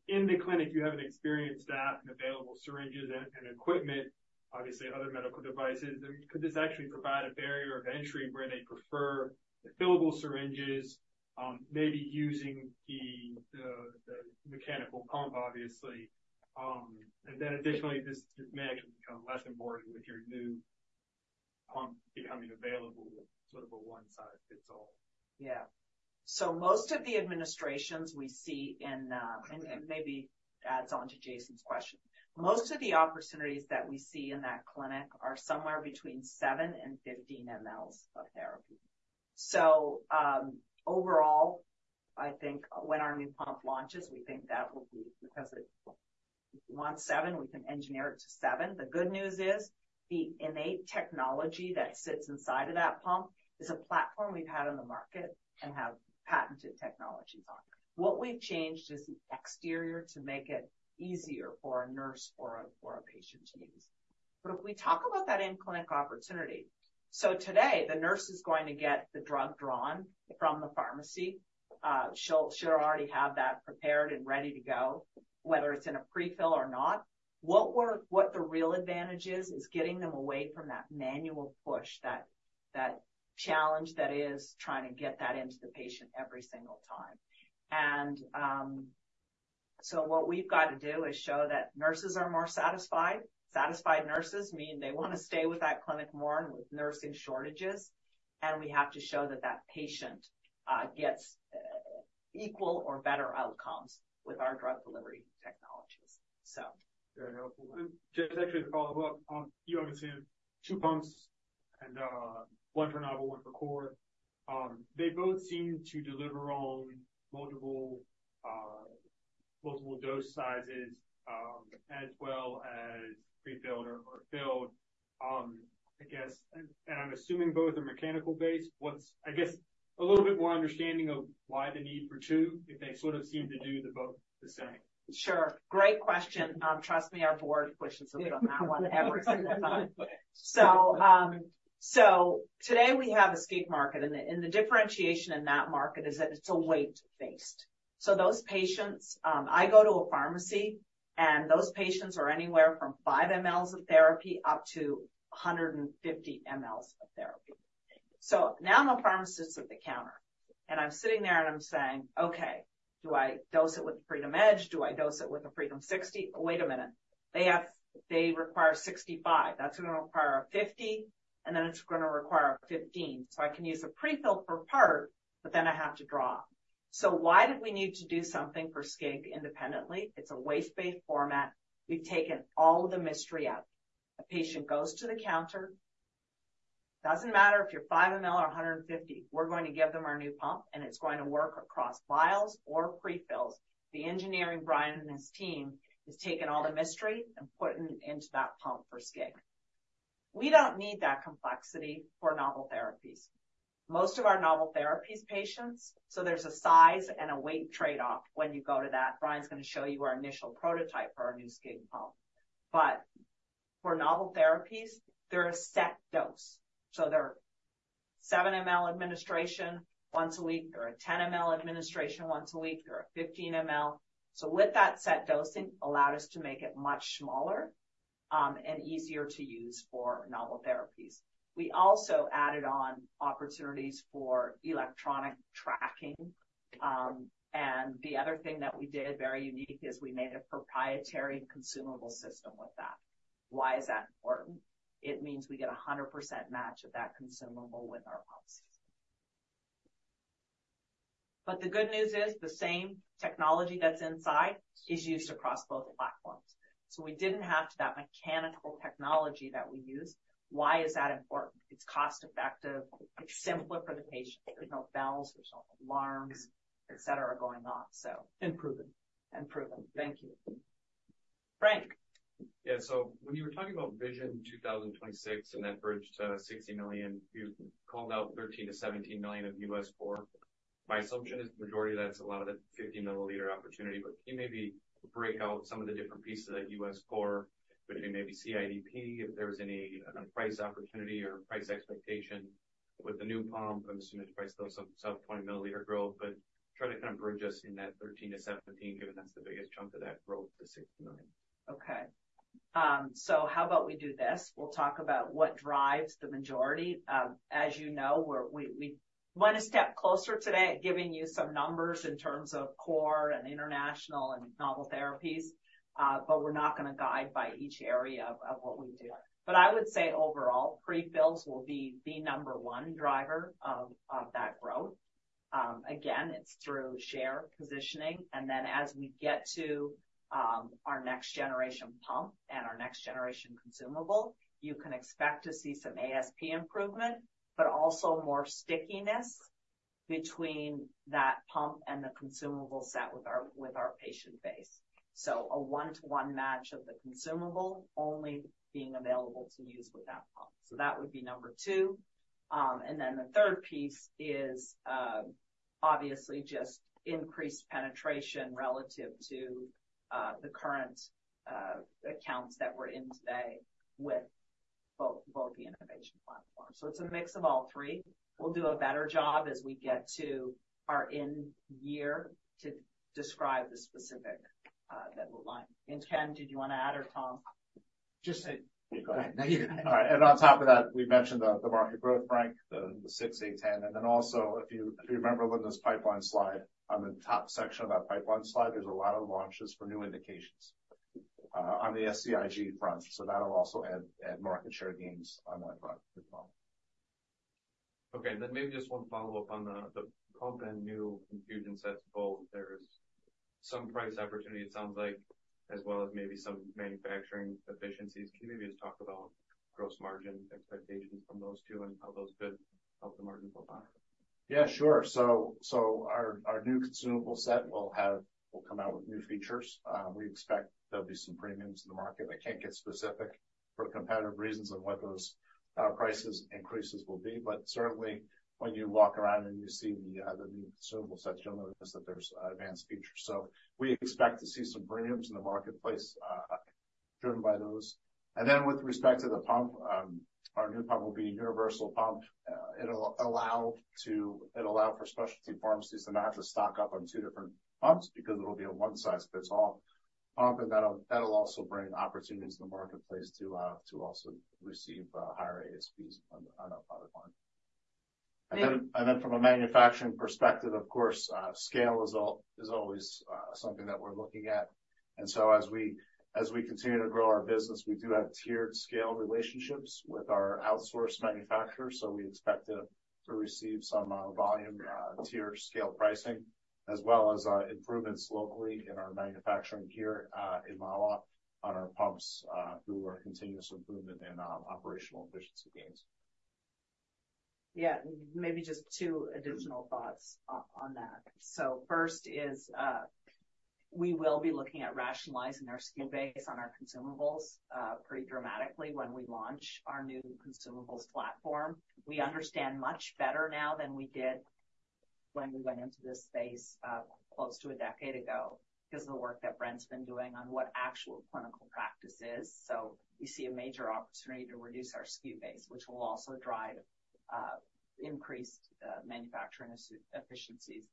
in the clinic, you haven't experienced that in available syringes and equipment, obviously other medical devices. Could this actually provide a barrier of entry where they prefer the fillable syringes, maybe using the mechanical pump, obviously? And then additionally, this may actually become less important with your new pump becoming available, sort of a one-size-fits-all. Yeah. So most of the administrations we see in, maybe adds on to Jason's question. Most of the opportunities that we see in that clinic are somewhere between 7 and 15 mL of therapy. So, overall, I think when our new pump launches, we think that will be, because if you want 7, we can engineer it to 7. The good news is, the innate technology that sits inside of that pump is a platform we've had on the market and have patented technologies on. What we've changed is the exterior to make it easier for a nurse or a patient to use. But if we talk about that in-clinic opportunity, today, the nurse is going to get the drug drawn from the pharmacy. She'll already have that prepared and ready to go, whether it's in a pre-fill or not. What the real advantage is, is getting them away from that manual push, that, that challenge that is trying to get that into the patient every single time. So what we've got to do is show that nurses are more satisfied. Satisfied nurses mean they wanna stay with that clinic more and with nursing shortages, and we have to show that that patient gets equal or better outcomes with our drug delivery technologies. So- Very helpful. Just actually to follow up, you obviously have two pumps and one for Novo, one for KORU. They both seem to deliver on multiple dose sizes as well as pre-filled or filled, I guess. And I'm assuming both are mechanical based. What's a little bit more understanding of why the need for two, if they sort of seem to do both the same? Sure. Great question. Trust me, our board pushes us on that one every single time. So, so today we have a SCIG market, and the differentiation in that market is that it's weight-based. So those patients, I go to a pharmacy, and those patients are anywhere from 5 mL of therapy up to 150 mL of therapy. So now I'm a pharmacist at the counter... and I'm sitting there, and I'm saying: "Okay, do I dose it with FreedomEdge? Do I dose it with a Freedom60? Wait a minute, they have—they require 65. That's going to require a 50, and then it's going to require a 15. So I can use a pre-fill for part, but then I have to draw." So why did we need to do something for SCIG independently? It's a weight-based format. We've taken all the mystery out. A patient goes to the counter, doesn't matter if you're 5 mL or 150, we're going to give them our new pump, and it's going to work across vials or pre-fills. The engineering, Brian and his team, has taken all the mystery and put it into that pump for SCIG. We don't need that complexity for novel therapies. Most of our novel therapies patients, so there's a size and a weight trade-off when you go to that. Brian's going to show you our initial prototype for our new SCIG pump. But for novel therapies, they're a set dose, so they're 7 mL administration once a week, or a 10 mL administration once a week, or a 15 mL. So with that set dosing allowed us to make it much smaller, and easier to use for novel therapies. We also added on opportunities for electronic tracking. The other thing that we did, very unique, is we made a proprietary consumable system with that. Why is that important? It means we get a 100% match of that consumable with our pumps. But the good news is the same technology that's inside is used across both platforms, so we didn't have that mechanical technology that we used. Why is that important? It's cost-effective. It's simpler for the patient. There's no bells, there's no alarms, et cetera, going off. So- And proven. Proven. Thank you. Frank? Yeah. So when you were talking about Vision 2026 and that bridge to $60 million, you called out $13 million-$17 million of US core. My assumption is the majority of that is a lot of the 50-milliliter opportunity, but can you maybe break out some of the different pieces of that US core, maybe CIDP, if there was any price opportunity or price expectation with the new pump? I'm assuming the price of some 20-milliliter growth, but try to kind of bridge us in that $13 million-$17 million, given that's the biggest chunk of that growth to $60 million. Okay, so how about we do this? We'll talk about what drives the majority. As you know, we went a step closer today at giving you some numbers in terms of core and international and novel therapies, but we're not going to guide by each area of what we do. But I would say overall, pre-fills will be the number one driver of that growth. Again, it's through share positioning, and then as we get to our next generation pump and our next generation consumable, you can expect to see some ASP improvement, but also more stickiness between that pump and the consumable set with our patient base. So a 1-to-1 match of the consumable only being available to use with that pump. So that would be number two. And then the third piece is obviously just increased penetration relative to the current accounts that we're in today with both, both the innovation platforms. So it's a mix of all three. We'll do a better job as we get to our end year to describe the specific that line. And Ken, did you want to add, or Tom? Just say... Go ahead. No, you go ahead. All right. And on top of that, we mentioned the market growth, Frank, the 6, 8, 10. And then also, if you remember Linda's pipeline slide, on the top section of that pipeline slide, there's a lot of launches for new indications on the SCIG front. So that'll also add market share gains on that front as well. Okay, then maybe just one follow-up on the pump and new infusion sets. Both, there's some price opportunity, it sounds like, as well as maybe some manufacturing efficiencies. Can you maybe just talk about gross margin expectations from those two and how those could help the margin profile? Yeah, sure. So our new consumable set will come out with new features. We expect there'll be some premiums in the market. I can't get specific for competitive reasons on what those prices increases will be, but certainly when you walk around and you see the new consumable sets, you'll notice that there's advanced features. So we expect to see some premiums in the marketplace, driven by those. And then with respect to the pump, our new pump will be a universal pump. It'll allow for specialty pharmacies to not have to stock up on two different pumps because it'll be a one-size-fits-all pump, and that'll also bring opportunities to the marketplace to also receive higher ASPs on our product line. And- And then from a manufacturing perspective, of course, scale is always something that we're looking at. And so as we continue to grow our business, we do have tiered scale relationships with our outsourced manufacturers, so we expect to receive some volume tier scale pricing, as well as improvements locally in our manufacturing here in Iowa on our pumps through our continuous improvement and operational efficiency gains. Yeah, maybe just two additional thoughts on, on that. So first is, we will be looking at rationalizing our SKU base on our consumables, pretty dramatically when we launch our new consumables platform. We understand much better now than we did when we went into this space, close to a decade ago, because of the work that Brian's been doing on what actual clinical practice is. So we see a major opportunity to reduce our SKU base, which will also drive increased manufacturing efficiencies.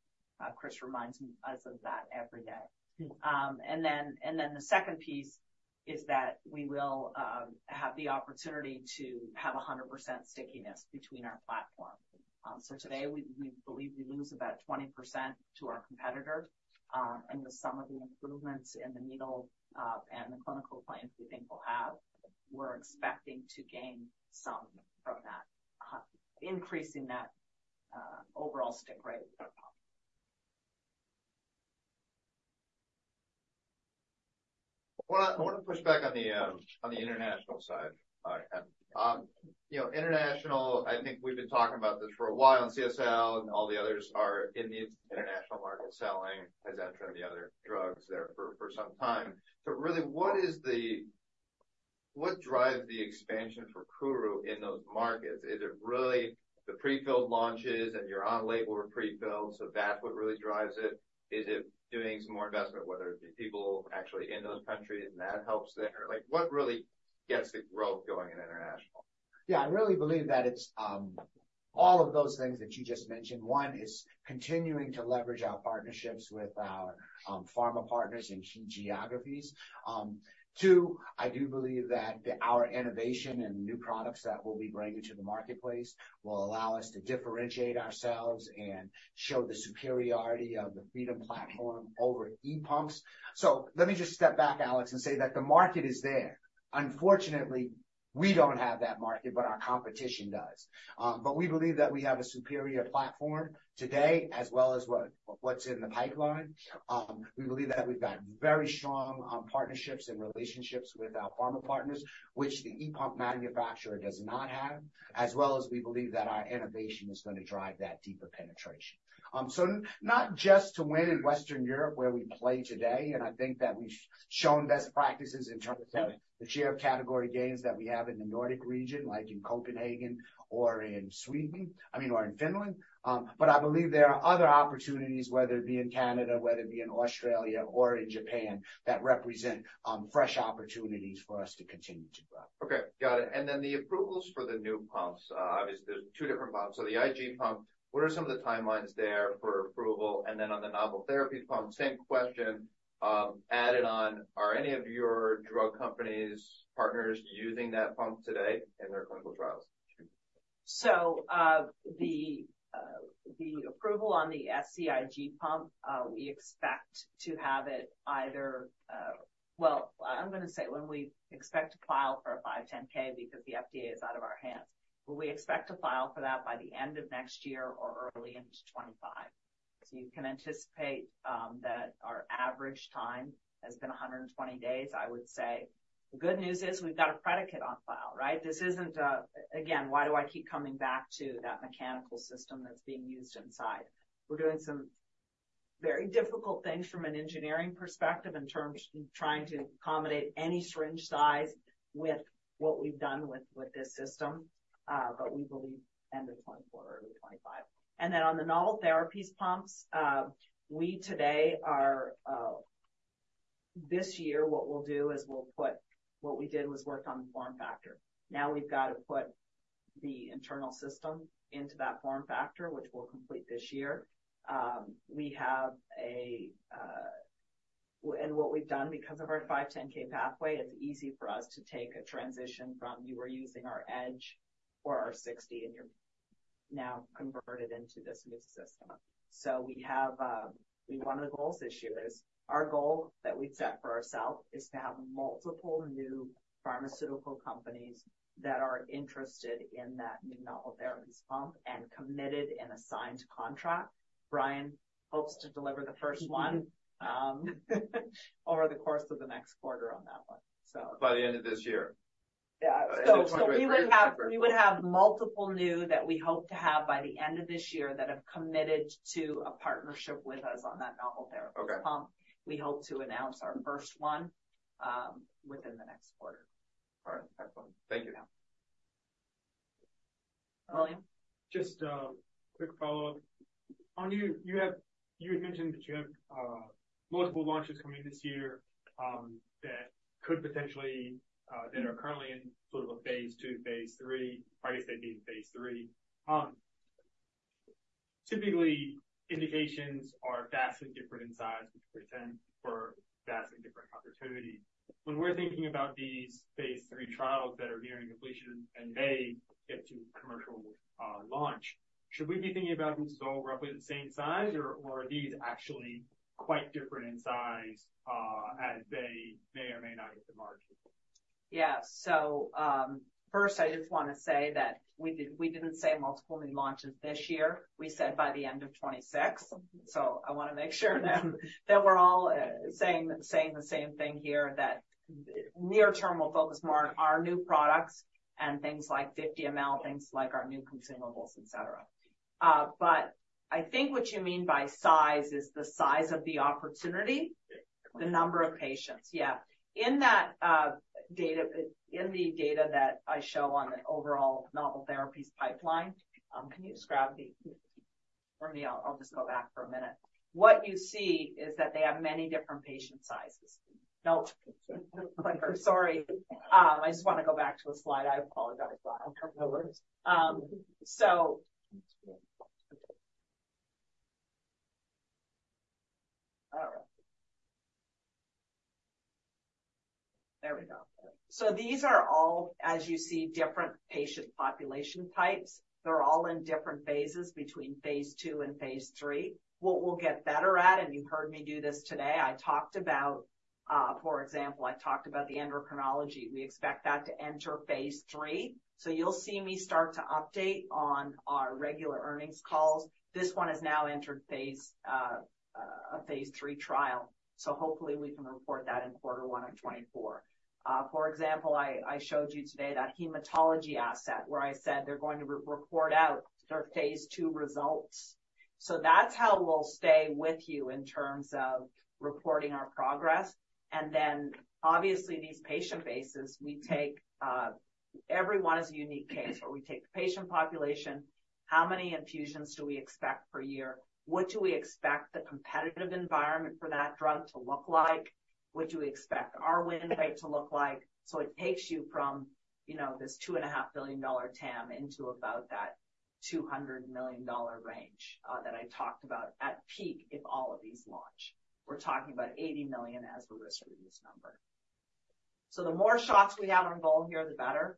Chris reminds me, us of that every day. And then, the second piece is that we will have the opportunity to have 100% stickiness between our platform. So today, we, we believe we lose about 20% to our competitor. With some of the improvements in the needle, and the clinical plans we think we'll have, we're expecting to gain some of that, increasing that, overall stick rate. Well, I want to push back on the international side. You know, international, I think we've been talking about this for a while, and CSL and all the others are in the international market selling Hizentra and the other drugs there for some time. But really, what drives the expansion for KORU in those markets? Is it really the prefilled launches and your on-label prefilled, so that's what really drives it? Is it doing some more investment, whether it be people actually in those countries, and that helps there? Like, what really gets the growth going in international? Yeah, I really believe that it's all of those things that you just mentioned. One, is continuing to leverage our partnerships with our pharma partners in key geographies. Two, I do believe that our innovation and new products that we'll be bringing to the marketplace will allow us to differentiate ourselves and show the superiority of the Freedom platform over e-pumps. So let me just step back, Alex, and say that the market is there. Unfortunately, we don't have that market, but our competition does. But we believe that we have a superior platform today, as well as what's in the pipeline. We believe that we've got very strong partnerships and relationships with our pharma partners, which the e-pump manufacturer does not have, as well as we believe that our innovation is going to drive that deeper penetration. So not just to win in Western Europe, where we play today, and I think that we've shown best practices in terms of the share of category gains that we have in the Nordic region, like in Copenhagen or in Sweden, I mean, or in Finland. But I believe there are other opportunities, whether it be in Canada, whether it be in Australia or in Japan, that represent, fresh opportunities for us to continue to grow. Okay, got it. And then the approvals for the new pumps, obviously, there's two different pumps. So the IG pump, what are some of the timelines there for approval? And then on the novel therapy pump, same question, added on, are any of your drug companies partners using that pump today in their clinical trials? So, the approval on the SCIG pump, we expect to have it either... Well, I'm gonna say when we expect to file for a 510(k) because the FDA is out of our hands, but we expect to file for that by the end of next year or early in 2025. So you can anticipate that our average time has been 120 days, I would say. The good news is we've got a predicate on file, right? This isn't, again, why do I keep coming back to that mechanical system that's being used inside? We're doing some very difficult things from an engineering perspective in terms of trying to accommodate any syringe size with what we've done with this system, but we believe end of 2024 or early 2025. And then on the novel therapies pumps, today we are. This year, what we'll do is we'll put what we did was work on the form factor. Now, we've got to put the internal system into that form factor, which we'll complete this year. We have a, and what we've done because of our 510(k) pathway, it's easy for us to take a transition from you were using our EDGE or our 60, and you're now converted into this new system. So we have, one of the goals this year is, our goal that we've set for ourselves is to have multiple new pharmaceutical companies that are interested in that new novel therapies pump and committed in a signed contract. Brian hopes to deliver the first one, over the course of the next quarter on that one, so. By the end of this year? Yeah. End of 2023. We would have multiple new that we hope to have by the end of this year that have committed to a partnership with us on that novel therapy pump. Okay. We hope to announce our first one within the next quarter. All right. Excellent. Thank you. Just a quick follow-up. On you, you had mentioned that you have multiple launches coming this year, that could potentially that are currently in sort of a Phase 2, Phase 3, I guess they'd be phase three. Typically, indications are vastly different in size, which portend for vastly different opportunity. When we're thinking about these phase three trials that are nearing completion and may get to commercial launch, should we be thinking about them as all roughly the same size, or are these actually quite different in size as they may or may not hit the market? Yeah. So, first, I just want to say that we did, we didn't say multiple new launches this year. We said by the end of 2026. So I want to make sure that, that we're all saying the same thing here, that near term, we'll focus more on our new products and things like 50 mL, things like our new consumables, et cetera. But I think what you mean by size is the size of the opportunity? Yeah. The number of patients. Yeah. In that data—in the data that I show on the overall Novel Therapies pipeline, can you just grab it for me? I'll just go back for a minute. What you see is that they have many different patient sizes. No. Sorry. I just want to go back to a slide. I apologize. So— That's good.... There we go. So these are all, as you see, different patient population types. They're all in different phases between Phase 2 and Phase 3. What we'll get better at, and you've heard me do this today, I talked about, for example, I talked about the endocrinology. We expect that to enter Phase 3, so you'll see me start to update on our regular earnings calls. This one has now entered phase, a Phase 3 trial, so hopefully we can report that in quarter one of 2024. For example, I, I showed you today that hematology asset where I said they're going to report out their Phase 2 results. So that's how we'll stay with you in terms of reporting our progress. Then, obviously, these patient bases, we take every one is a unique case, where we take the patient population, how many infusions do we expect per year? What do we expect the competitive environment for that drug to look like? What do we expect our win rate to look like? So it takes you from, you know, this $2.5 billion TAM into about that $200 million range that I talked about at peak, if all of these launch. We're talking about $80 million as the risk-reduced number. So the more shots we have on goal here, the better.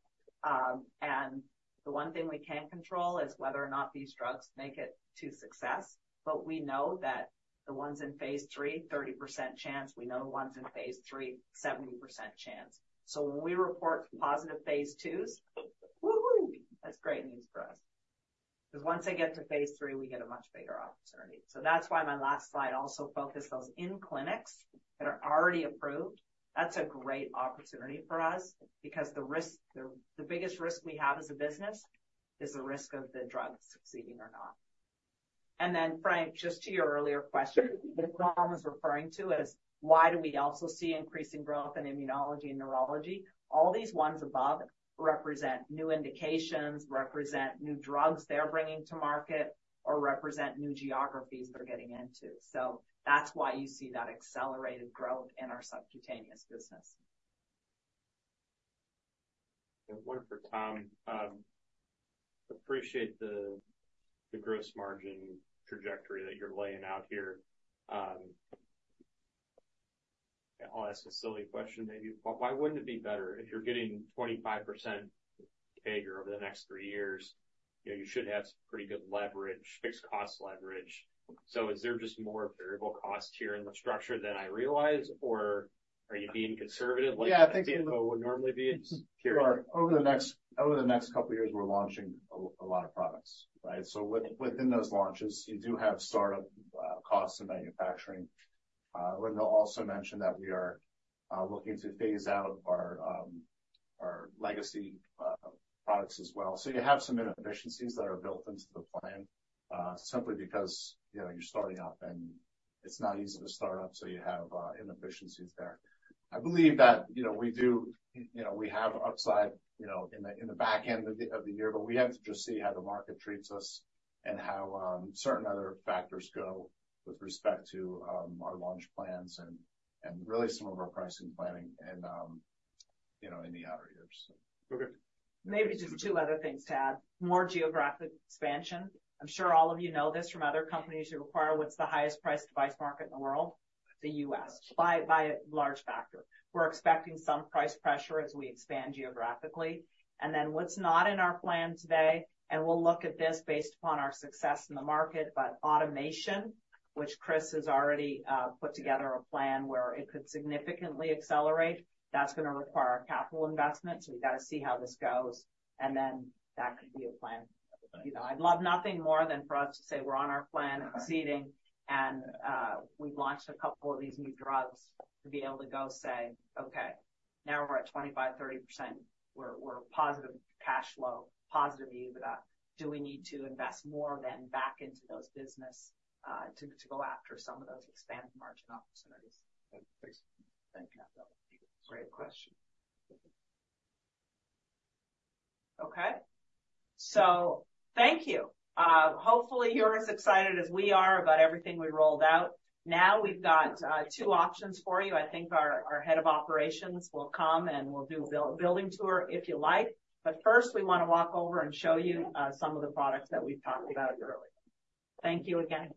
And the one thing we can't control is whether or not these drugs make it to success, but we know that the ones in phase three, 30% chance, we know the ones in phase three, 70% chance. So when we report positive Phase 2s, woo-hoo! That's great news for us. Because once they get to Phase 3, we get a much bigger opportunity. So that's why my last slide also focused those in clinics that are already approved. That's a great opportunity for us because the risk, the biggest risk we have as a business is the risk of the drug succeeding or not. And then, Frank, just to your earlier question, what Tom was referring to is, why do we also see increasing growth in immunology and neurology? All these ones above represent new indications, represent new drugs they're bringing to market, or represent new geographies they're getting into. So that's why you see that accelerated growth in our subcutaneous business. One for Tom. Appreciate the gross margin trajectory that you're laying out here. I'll ask a silly question, maybe. But why wouldn't it be better if you're getting 25% CAGR over the next three years? You know, you should have some pretty good leverage, fixed cost leverage. So is there just more variable cost here in the structure than I realize, or are you being conservative, like- Yeah, I think- You would normally be curious? Over the next couple of years, we're launching a lot of products, right? So within those launches, you do have startup costs and manufacturing. Linda also mentioned that we are looking to phase out our legacy products as well. So you have some inefficiencies that are built into the plan, simply because, you know, you're starting up, and it's not easy to start up, so you have inefficiencies there. I believe that, you know, we do, you know, we have upside, you know, in the back end of the year, but we have to just see how the market treats us and how certain other factors go with respect to our launch plans and really some of our pricing planning and, you know, in the outer years. Okay. Maybe just two other things to add. More geographic expansion. I'm sure all of you know this from other companies who require what's the highest priced device market in the world? The U.S., by, by a large factor. We're expecting some price pressure as we expand geographically. And then what's not in our plan today, and we'll look at this based upon our success in the market, but automation, which Chris has already put together a plan where it could significantly accelerate, that's gonna require capital investment, so we've got to see how this goes. And then that could be a plan. Thanks. You know, I'd love nothing more than for us to say we're on our plan, exceeding, and we've launched a couple of these new drugs to be able to go say, "Okay, now we're at 25-30%. We're positive cash flow, positive EBITDA. Do we need to invest more of them back into those business to go after some of those expanded margin opportunities? Thanks. Thank you. Great question. Okay? So, thank you. Hopefully, you're as excited as we are about everything we rolled out. Now, we've got two options for you. I think our head of operations will come, and we'll do a building tour if you like. But first, we want to walk over and show you some of the products that we've talked about earlier. Thank you again.